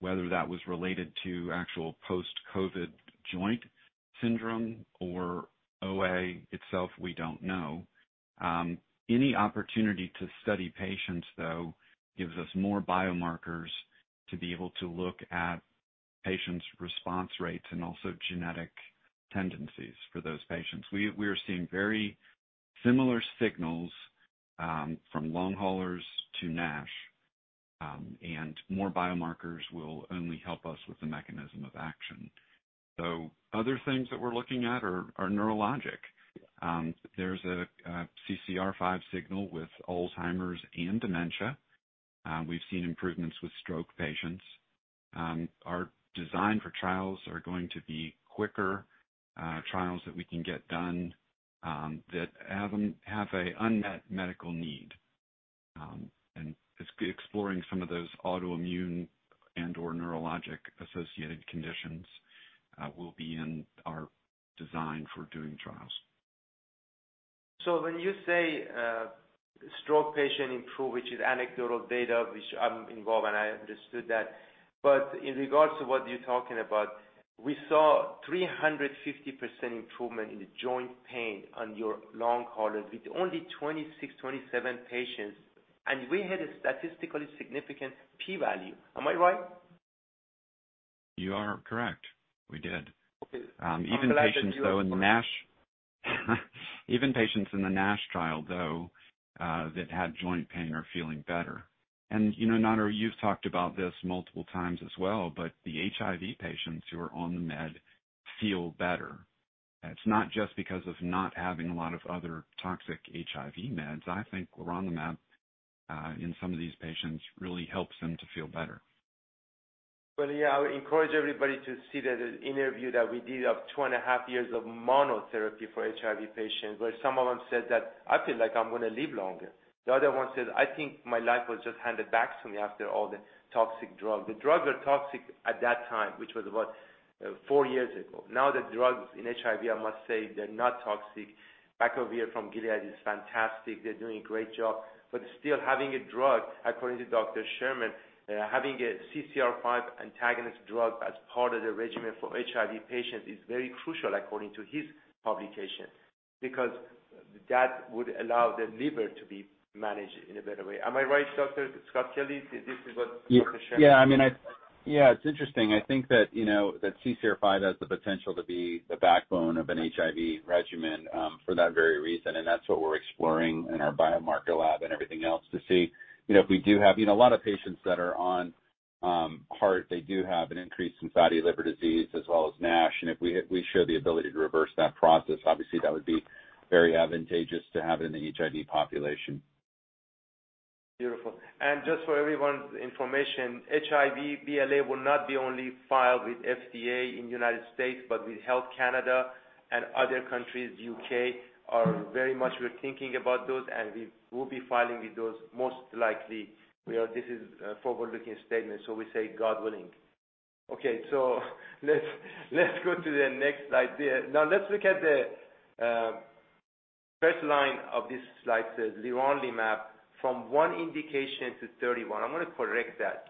Whether that was related to actual post-COVID joint syndrome or OA itself, we don't know. Any opportunity to study patients, though, gives us more biomarkers to be able to look at patients' response rates and also genetic tendencies for those patients. We are seeing very similar signals from long haulers to NASH, and more biomarkers will only help us with the mechanism of action. Other things that we're looking at are neurologic. There's a CCR5 signal with Alzheimer's and dementia. We've seen improvements with stroke patients. Our design for trials are going to be quicker trials that we can get done that have a unmet medical need. It's exploring some of those autoimmune and/or neurologic associated conditions that will be in our design for doing trials. When you say, stroke patient improve, which is anecdotal data, which I'm involved, and I understood that. In regards to what you're talking about, we saw 350% improvement in the joint pain on your long haulers with only 26-27 patients. We had a statistically significant p-value. Am I right? You are correct. We did. Okay. Even patients though. I'm glad that you- Even patients in the NASH trial who had joint pain are feeling better. You know, Nader, you've talked about this multiple times as well, but the HIV patients who are on the med feel better. It's not just because of not having a lot of other toxic HIV meds. I think leronlimab in some of these patients really helps them to feel better. Well, yeah, I would encourage everybody to see the interview that we did of two and a half years of monotherapy for HIV patients, where some of them said that, "I feel like I'm gonna live longer." The other one said, "I think my life was just handed back to me after all the toxic drugs." The drugs were toxic at that time, which was about four years ago. Now, the drugs in HIV, I must say, they're not toxic. Biktarvy from Gilead is fantastic. They're doing a great job. But still having a drug, according to Dr. Sherman, having a CCR5 antagonist drug as part of the regimen for HIV patients is very crucial according to his publication because that would allow the liver to be managed in a better way. Am I right, Dr. Scott Kelly? Is this what Dr. Sherman Yeah, it's interesting. I think that, you know, that CCR5 has the potential to be the backbone of an HIV regimen for that very reason. That's what we're exploring in our biomarker lab and everything else to see, you know, a lot of patients that are on HAART. They do have an increase in fatty liver disease as well as NASH. If we show the ability to reverse that process, obviously that would be very advantageous to have it in the HIV population. Beautiful. Just for everyone's information, HIV BLA will not be only filed with FDA in United States, but with Health Canada and other countries. U.K. we're very much thinking about those, and we will be filing with those most likely. You know, this is a forward-looking statement, so we say God willing. Let's go to the next slide there. Now let's look at the first line of this slide says leronlimab from one indication to 31. I'm gonna correct that.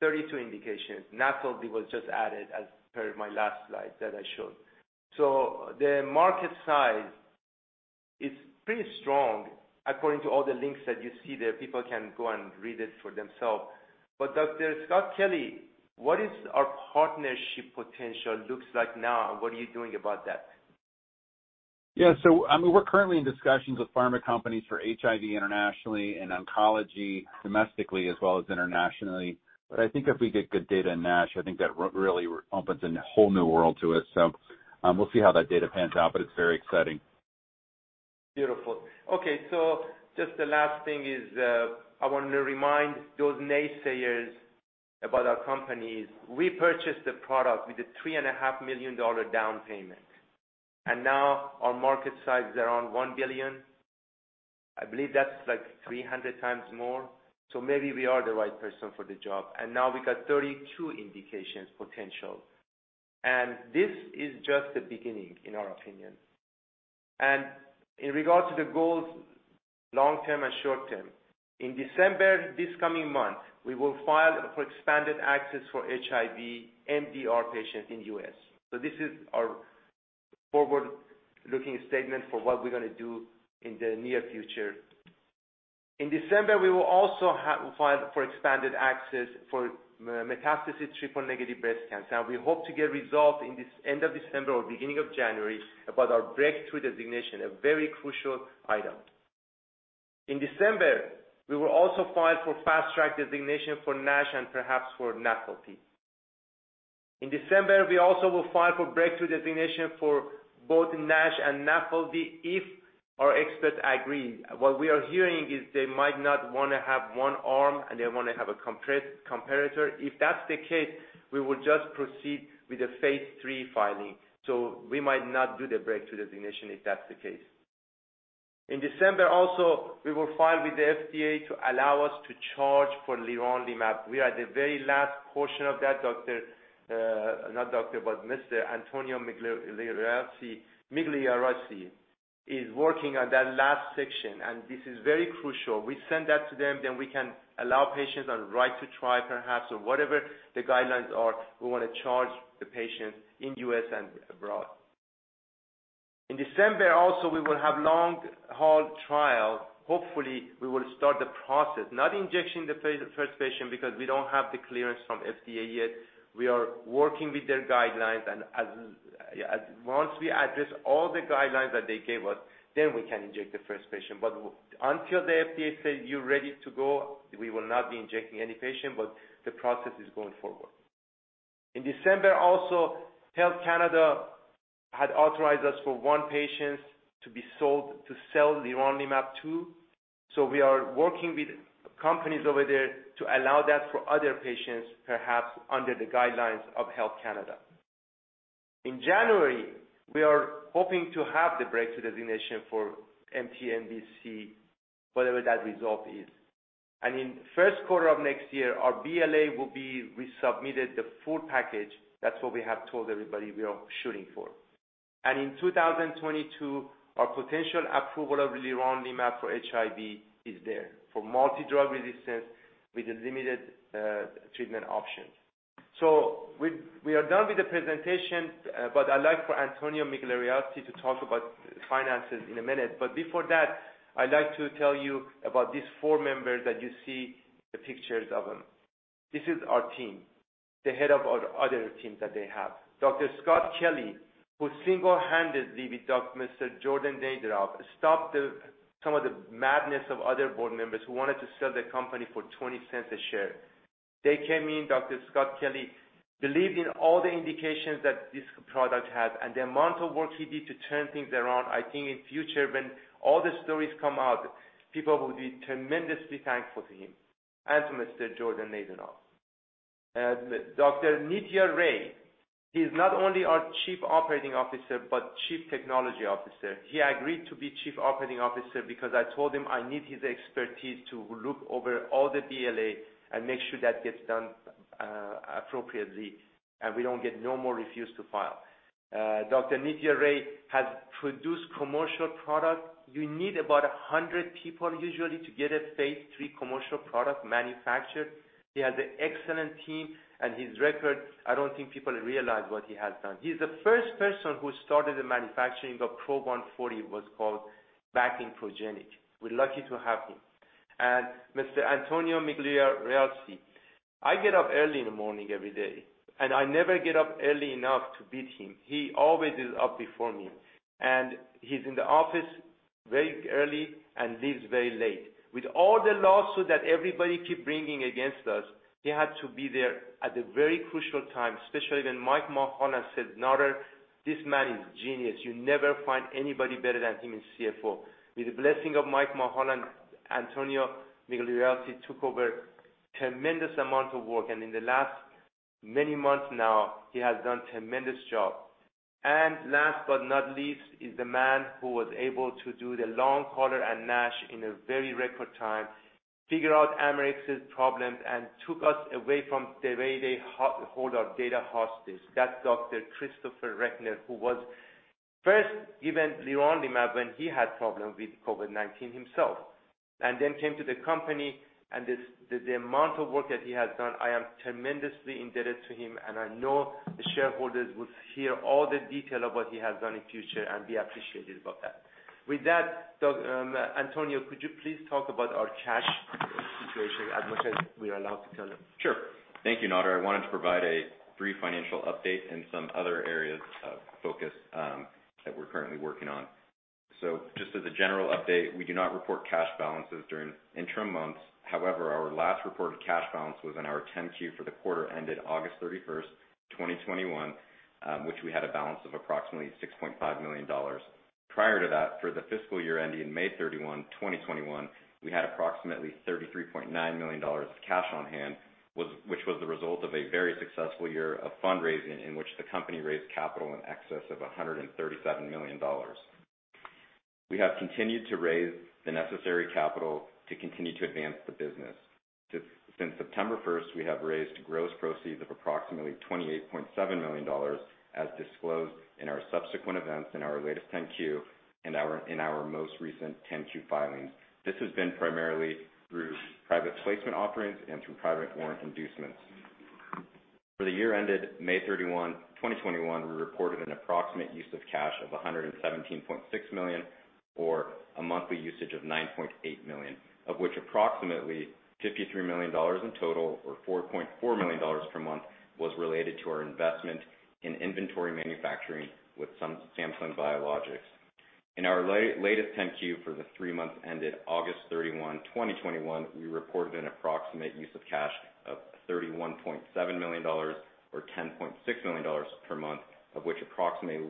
32 indications. NAFLD was just added as per my last slide that I showed. The market size is pretty strong according to all the links that you see there. People can go and read it for themselves. Dr. Scott Kelly, what is our partnership potential looks like now, and what are you doing about that? Yeah. I mean, we're currently in discussions with pharma companies for HIV internationally and oncology domestically as well as internationally. I think if we get good data in NASH, I think that really opens a whole new world to us. We'll see how that data pans out, but it's very exciting. Beautiful. Okay, just the last thing is, I wanna remind those naysayers about our companies. We purchased the product with a $3.5 million down payment, and now our market size is around $1 billion. I believe that's like 300 times more, so maybe we are the right person for the job. Now we got 32 indications potential. This is just the beginning, in our opinion. In regards to the goals, long-term and short-term, in December, this coming month, we will file for expanded access for HIV MDR patients in U.S. This is our forward-looking statement for what we're gonna do in the near future. In December, we will also file for expanded access for metastatic triple-negative breast cancer. We hope to get results by the end of December or beginning of January about our breakthrough designation, a very crucial item. In December, we will also file for fast track designation for NASH and perhaps for NAFLD. In December, we also will file for breakthrough designation for both NASH and NAFLD if our experts agree. What we are hearing is they might not wanna have one arm, and they wanna have a comparator. If that's the case, we will just proceed with the phase III filing. We might not do the breakthrough designation if that's the case. In December also, we will file with the FDA to allow us to charge for leronlimab. We are at the very last portion of that, Mr. Antonio Migliarese. Mr. Antonio Migliarese is working on that last section, and this is very crucial. We send that to them, then we can allow patients on Right to Try perhaps or whatever the guidelines are. We wanna charge the patients in U.S. and abroad. In December also, we will have long-haul trial. Hopefully, we will start the process, not injecting the first patient, because we don't have the clearance from FDA yet. We are working with their guidelines. Once we address all the guidelines that they gave us, then we can inject the first patient. But until the FDA says, "You're ready to go," we will not be injecting any patient, but the process is going forward. In December also, Health Canada had authorized us for one patient to sell leronlimab to. So we are working with companies over there to allow that for other patients, perhaps under the guidelines of Health Canada. In January, we are hoping to have the breakthrough designation for mTNBC, whatever that result is. In first quarter of next year, our BLA will be resubmitted, the full package. That's what we have told everybody we are shooting for. In 2022, our potential approval of leronlimab for HIV is there, for multi-drug resistance with a limited treatment option. We are done with the presentation, but I'd like for Antonio Migliarese to talk about finances in a minute. Before that, I'd like to tell you about these four members that you see the pictures of them. This is our team, the head of our other teams that they have. Dr. Scott Kelly, who single-handedly with Mr. Jordan Naydenov, stopped some of the madness of other board members who wanted to sell the company for $0.20 a share. They came in, Dr. Scott Kelly, believed in all the indications that this product had, and the amount of work he did to turn things around. I think in future, when all the stories come out, people will be tremendously thankful to him, and to Mr. Jordan Naydenov. Dr. Nitya Ray. He's not only our chief operating officer but chief technology officer. He agreed to be chief operating officer because I told him I need his expertise to look over all the BLA and make sure that gets done appropriately, and we don't get no more refuse to file. Dr. Nitya Ray has produced commercial product. You need about 100 people usually to get a phase III commercial product manufactured. He has an excellent team and his record. I don't think people realize what he has done. He's the first person who started the manufacturing of PRO 140, it was called, back in Progenics. We're lucky to have him. Mr. Antonio Migliarese. I get up early in the morning every day, and I never get up early enough to beat him. He always is up before me, and he's in the office very early and leaves very late. With all the lawsuits that everybody keep bringing against us, he had to be there at the very crucial time, especially when Michael Mulholland said, "Nader, this man is genius. You never find anybody better than him as CFO." With the blessing of Michael Mulholland, Antonio Migliarese took over tremendous amount of work, and in the last many months now, he has done tremendous job. Last but not least is the man who was able to do the long hauler and NASH in a very record time, figure out Amylyx's problems, and took us away from the way they hold our data hostage. That's Dr. Christopher Recknor, who was first given liraglutide when he had problems with COVID-19 himself, and then came to the company. The amount of work that he has done, I am tremendously indebted to him, and I know the shareholders will hear all the detail of what he has done in future and be appreciative about that. With that, dog, Antonio, could you please talk about our cash situation as much as we are allowed to tell them? Sure. Thank you, Nader. I wanted to provide a brief financial update and some other areas of focus that we're currently working on. Just as a general update, we do not report cash balances during interim months. However, our last reported cash balance was in our 10-Q for the quarter ended August 31st, 2021, which we had a balance of approximately $6.5 million. Prior to that, for the fiscal year ending May 31, 2021, we had approximately $33.9 million of cash on hand, which was the result of a very successful year of fundraising in which the company raised capital in excess of $137 million. We have continued to raise the necessary capital to continue to advance the business. Since September 1st, we have raised gross proceeds of approximately $28.7 million, as disclosed in our subsequent events in our latest 10-Q, in our most recent 10-Q filings. This has been primarily through private placement offerings and through private warrant inducements. For the year ended May 31, 2021, we reported an approximate use of cash of $117.6 million or a monthly usage of $9.8 million, of which approximately $53 million in total or $4.4 million per month was related to our investment in inventory manufacturing with Samsung Biologics. In our latest 10-Q for the three months ended August 31, 2021, we reported an approximate use of cash of $31.7 million or $10.6 million per month, of which approximately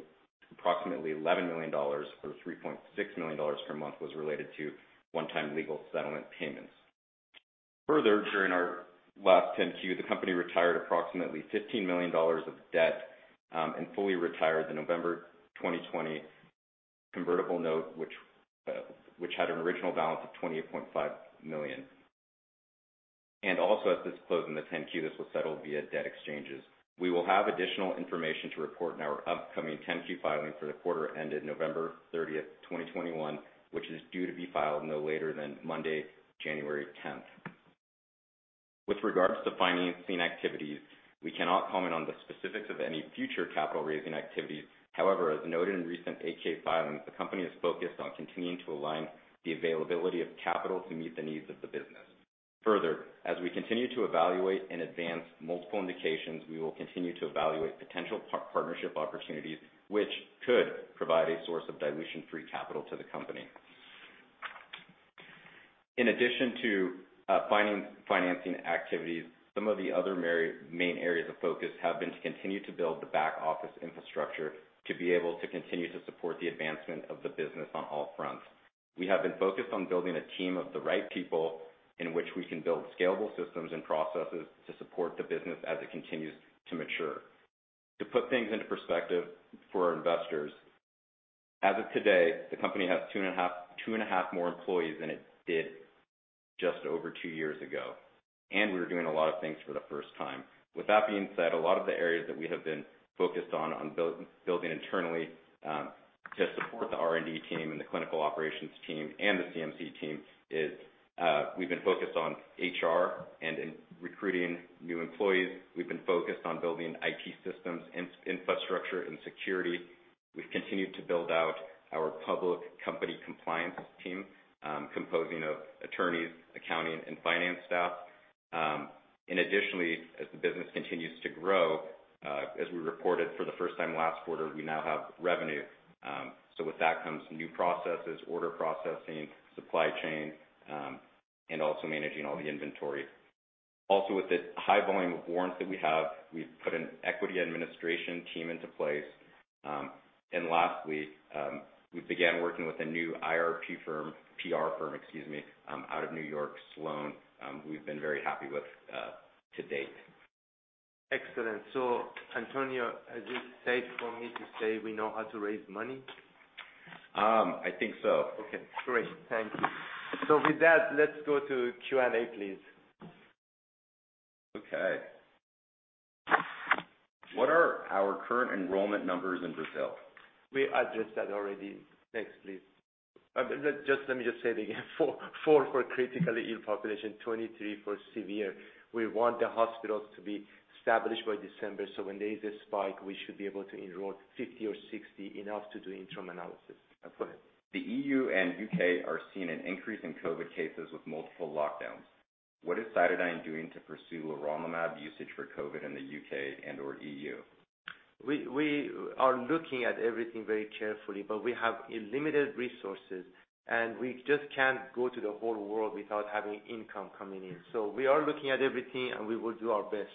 $11 million or $3.6 million per month was related to one-time legal settlement payments. Further, during our last 10-Q, the company retired approximately $15 million of debt and fully retired the November 2020 convertible note, which had an original balance of $28.5 million. Also as disclosed in the 10-Q, this was settled via debt exchanges. We will have additional information to report in our upcoming 10-Q filing for the quarter ended November 30, 2021, which is due to be filed no later than Monday, January 10. With regards to financing activities, we cannot comment on the specifics of any future capital-raising activities. However, as noted in recent 8-K filings, the company is focused on continuing to align the availability of capital to meet the needs of the business. Further, as we continue to evaluate and advance multiple indications, we will continue to evaluate potential partnership opportunities, which could provide a source of dilution-free capital to the company. In addition to funding financing activities, some of the other main areas of focus have been to continue to build the back-office infrastructure to be able to continue to support the advancement of the business on all fronts. We have been focused on building a team of the right people in which we can build scalable systems and processes to support the business as it continues to mature. To put things into perspective for our investors, as of today, the company has 2.5 more employees than it did just over two years ago, and we were doing a lot of things for the first time. With that being said, a lot of the areas that we have been focused on, building internally, to support the R&D team and the clinical operations team and the CMC team, we've been focused on HR and recruiting new employees. We've been focused on building IT systems, infrastructure and security. We've continued to build out our public company compliance team, comprised of attorneys, accounting, and finance staff. Additionally, as the business continues to grow, as we reported for the first time last quarter, we now have revenue. With that comes new processes, order processing, supply chain, and also managing all the inventory. Also, with the high volume of warrants that we have, we've put an equity administration team into place. Lastly, we began working with a new IR/PR firm, PR firm, excuse me, out of New York, Sloane, we've been very happy with to date. Excellent. Antonio, is it safe for me to say we know how to raise money? I think so. Okay, great. Thank you. With that, let's go to Q&A please. Okay. What are our current enrollment numbers in Brazil? We addressed that already. Next, please. Let me just say it again. four for critically ill population, 23 for severe. We want the hospitals to be established by December, so when there is a spike, we should be able to enroll 50 or 60, enough to do interim analysis. Go ahead. The E.U. and U.K. are seeing an increase in COVID-19 cases with multiple lockdowns. What is CytoDyn doing to pursue leronlimab usage for COVID-19 in the U.K. and/or E.U.? We are looking at everything very carefully, but we have limited resources, and we just can't go to the whole world without having income coming in. So we are looking at everything, and we will do our best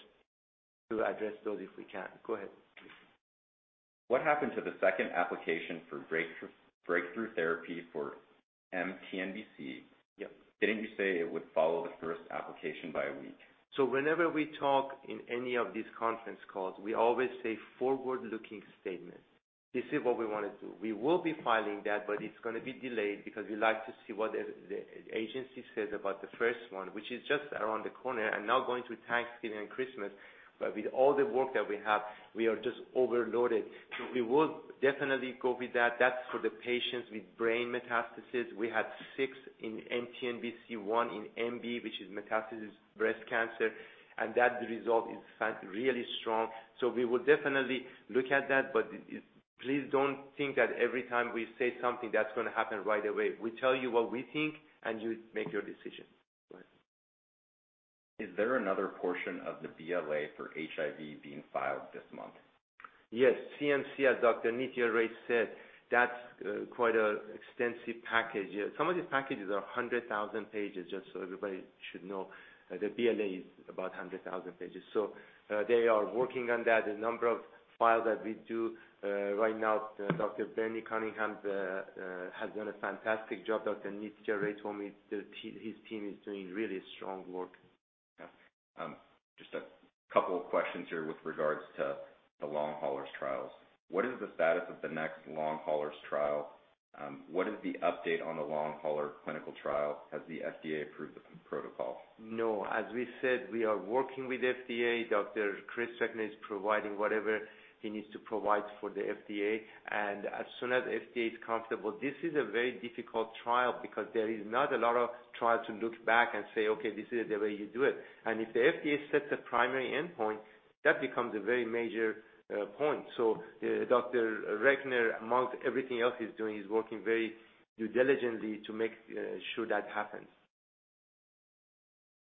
to address those if we can. Go ahead. What happened to the second application for breakthrough therapy for mTNBC? Yep. Didn't you say it would follow the first application by a week? Whenever we talk in any of these conference calls, we always say forward-looking statements. This is what we wanna do. We will be filing that, but it's gonna be delayed because we like to see what the agency says about the first one, which is just around the corner and now going through Thanksgiving and Christmas. With all the work that we have, we are just overloaded. We will definitely go with that. That's for the patients with brain metastasis. We had six in MTNBC, one in MBC, which is metastatic breast cancer, and that result is, in fact, really strong. We will definitely look at that, but please don't think that every time we say something, that's gonna happen right away. We tell you what we think, and you make your decision. Right. Is there another portion of the BLA for HIV being filed this month? Yes. CMC, as Dr. Nitya Ray said, that's quite an extensive package. Some of these packages are 100,000 pages, just so everybody should know. The BLA is about 100,000 pages. They are working on that. The number of files that we do right now, Dr. Bernie Cunningham has done a fantastic job. Dr. Nitya Ray told me that his team is doing really strong work. Yeah. Just a couple of questions here with regards to the long haulers trials. What is the status of the next long haulers trial? What is the update on the long hauler clinical trial? Has the FDA approved the protocol? No. As we said, we are working with FDA. Dr. Chris Recknor is providing whatever he needs to provide for the FDA. As soon as FDA is comfortable, this is a very difficult trial because there is not a lot of trials to look back and say, "Okay, this is the way you do it." If the FDA sets a primary endpoint, that becomes a very major point. Dr. Recknor, amongst everything else he's doing, he's working very diligently to make sure that happens.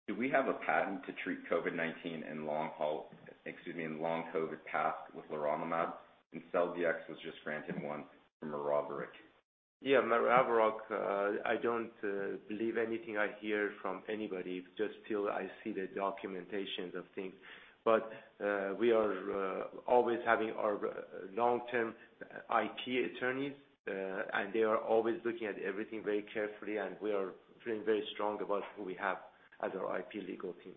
Do we have a patent to treat COVID-19 and long COVID path with leronlimab? CytoDyn was just granted one from Maraviroc. Yeah, maraviroc, I don't believe anything I hear from anybody just till I see the documentation of things. We are always having our long-term IP attorneys, and they are always looking at everything very carefully, and we are feeling very strong about who we have as our IP legal team.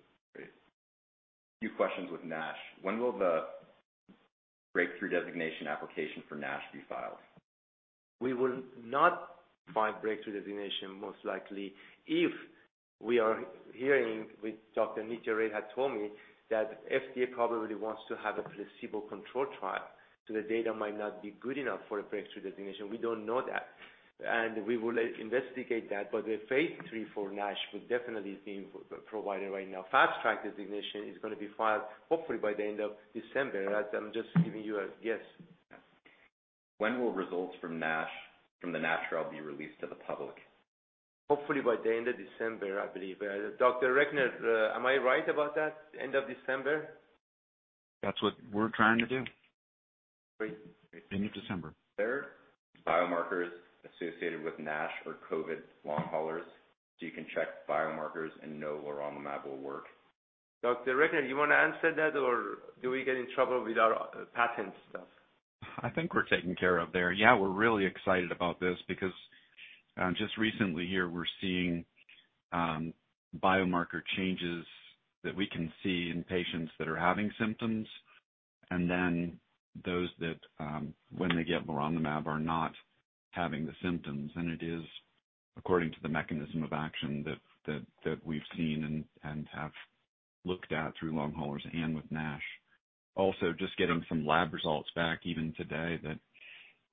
Great. Few questions with NASH. When will the breakthrough designation application for NASH be filed? We will not file breakthrough designation, most likely, if we are hearing with Dr. Nitya Ray had told me that FDA probably wants to have a placebo control trial, so the data might not be good enough for a breakthrough designation. We don't know that. We will investigate that. The phase III for NASH will definitely be provided right now. Fast Track Designation is gonna be filed hopefully by the end of December. I'm just giving you a guess. When will results from the NASH trial be released to the public? Hopefully by the end of December, I believe. Dr. Reckner, am I right about that, end of December? That's what we're trying to do. Great. End of December. There are biomarkers associated with NASH or COVID long haulers, so you can check biomarkers and know leronlimab will work. Dr. Recknor, you wanna answer that, or do we get in trouble with our patent stuff? I think we're taken care of there. Yeah, we're really excited about this because just recently here, we're seeing biomarker changes that we can see in patients that are having symptoms and then those that when they get leronlimab are not having the symptoms. It is according to the mechanism of action that that we've seen and have looked at through long haulers and with NASH. Also, just getting some lab results back even today that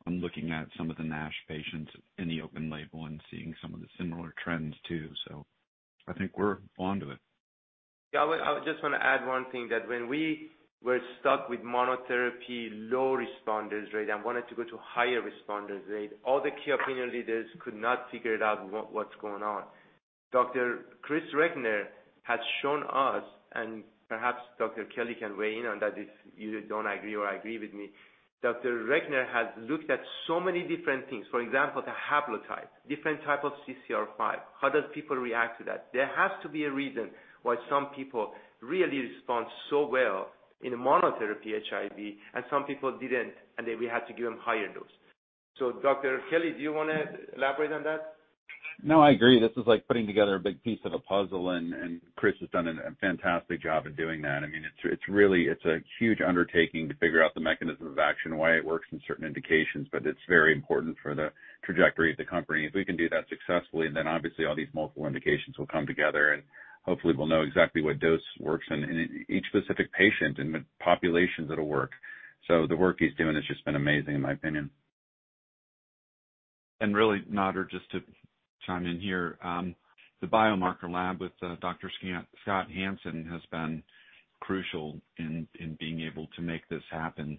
I'm looking at some of the NASH patients in the open label and seeing some of the similar trends too. I think we're onto it. Yeah. I just wanna add one thing that when we were stuck with monotherapy low responders rate and wanted to go to higher responders rate, all the key opinion leaders could not figure it out what's going on. Dr. Chris Recknor has shown us, and perhaps Dr. Kelly can weigh in on that if you don't agree or agree with me. Dr. Recknor has looked at so many different things. For example, the haplotype, different type of CCR5. How does people react to that? There has to be a reason why some people really respond so well in monotherapy HIV and some people didn't, and then we had to give them higher dose. Dr. Kelly, do you wanna elaborate on that? No, I agree. This is like putting together a big piece of a puzzle, and Chris has done a fantastic job in doing that. I mean, it's a huge undertaking to figure out the mechanism of action, why it works in certain indications, but it's very important for the trajectory of the company. If we can do that successfully, then obviously all these multiple indications will come together, and hopefully we'll know exactly what dose works in each specific patient and the populations it'll work. So the work he's doing has just been amazing, in my opinion. Really, Nader, just to chime in here, the biomarker lab with Dr. Scott Hansen has been crucial in being able to make this happen.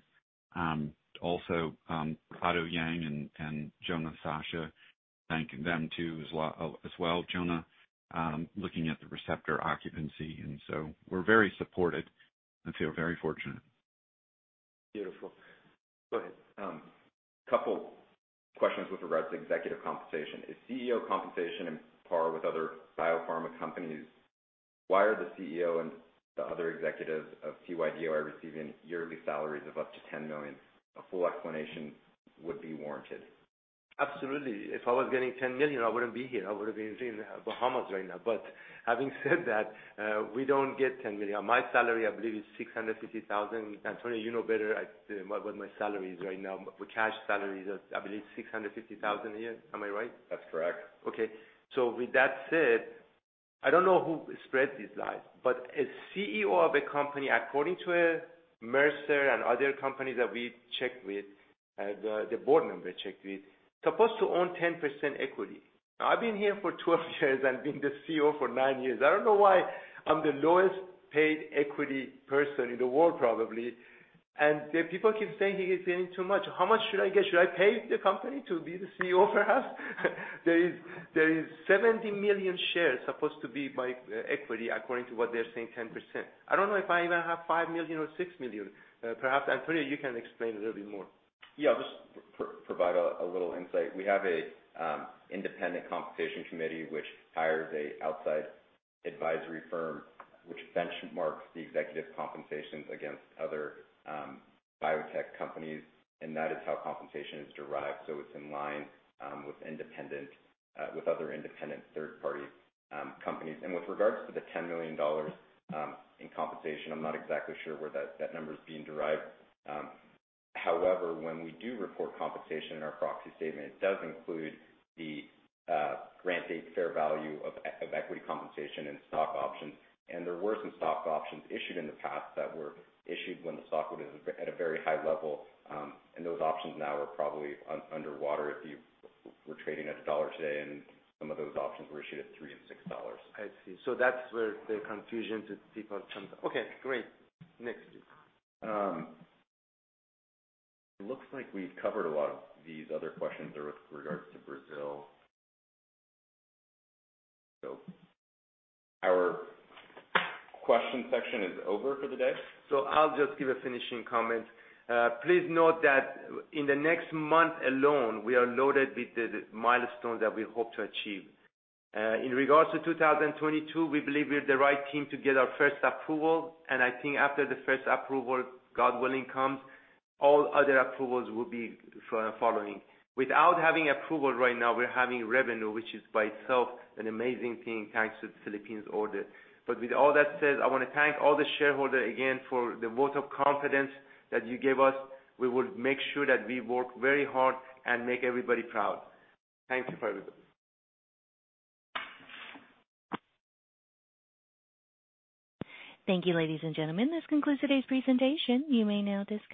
Also, Prasad Yang and Jonah Sacha, thank them too as well. Jonah, looking at the receptor occupancy, we're very supported and feel very fortunate. Beautiful. Go ahead. Couple questions with regards to executive compensation. Is CEO compensation on par with other biopharma companies? Why are the CEO and the other executives of CYDY are receiving yearly salaries of up to $10 million? A full explanation would be warranted. Absolutely. If I was getting $10 million, I wouldn't be here. I would have been in Bahamas right now. Having said that, we don't get $10 million. My salary, I believe, is $650,000. Antonio, you know better at what my salary is right now. The cash salary is, I believe $650,000 a year. Am I right? That's correct. With that said, I don't know who spread these lies, but a CEO of a company, according to Mercer and other companies that we checked with, the board member checked with, supposed to own 10% equity. Now, I've been here for 12 years and been the CEO for 9 years. I don't know why I'm the lowest-paid equity person in the world, probably. And the people keep saying he is getting too much. How much should I get? Should I pay the company to be the CEO, perhaps? There is 70 million shares supposed to be by equity according to what they're saying, 10%. I don't know if I even have 5 million or 6 million. Perhaps, Antonio, you can explain a little bit more. Yeah. I'll just provide a little insight. We have an independent compensation committee which hires an outside advisory firm, which benchmarks the executive compensations against other biotech companies, and that is how compensation is derived. It's in line with independent with other independent third party companies. With regards to the $10 million in compensation, I'm not exactly sure where that number is being derived. However, when we do report compensation in our proxy statement, it does include the grant date fair value of equity compensation and stock options. There were some stock options issued in the past that were issued when the stock was at a very high level. Those options now are probably underwater if you were trading at $1 today, and some of those options were issued at $3 and $6. I see. That's where the confusion to people comes up. Okay, great. Next, please. It looks like we've covered a lot of these other questions with regards to Brazil. Our question section is over for the day. I'll just give a finishing comment. Please note that in the next month alone, we are loaded with the milestones that we hope to achieve. In regards to 2022, we believe we have the right team to get our first approval. I think after the first approval, God willing, all other approvals will be following. Without having approval right now, we're having revenue, which is by itself an amazing thing, thanks to the Philippines order. With all that said, I wanna thank all the shareholders again for the vote of confidence that you gave us. We will make sure that we work very hard and make everybody proud. Thank you for everything. Thank you, ladies and gentlemen. This concludes today's presentation. You may now disconnect.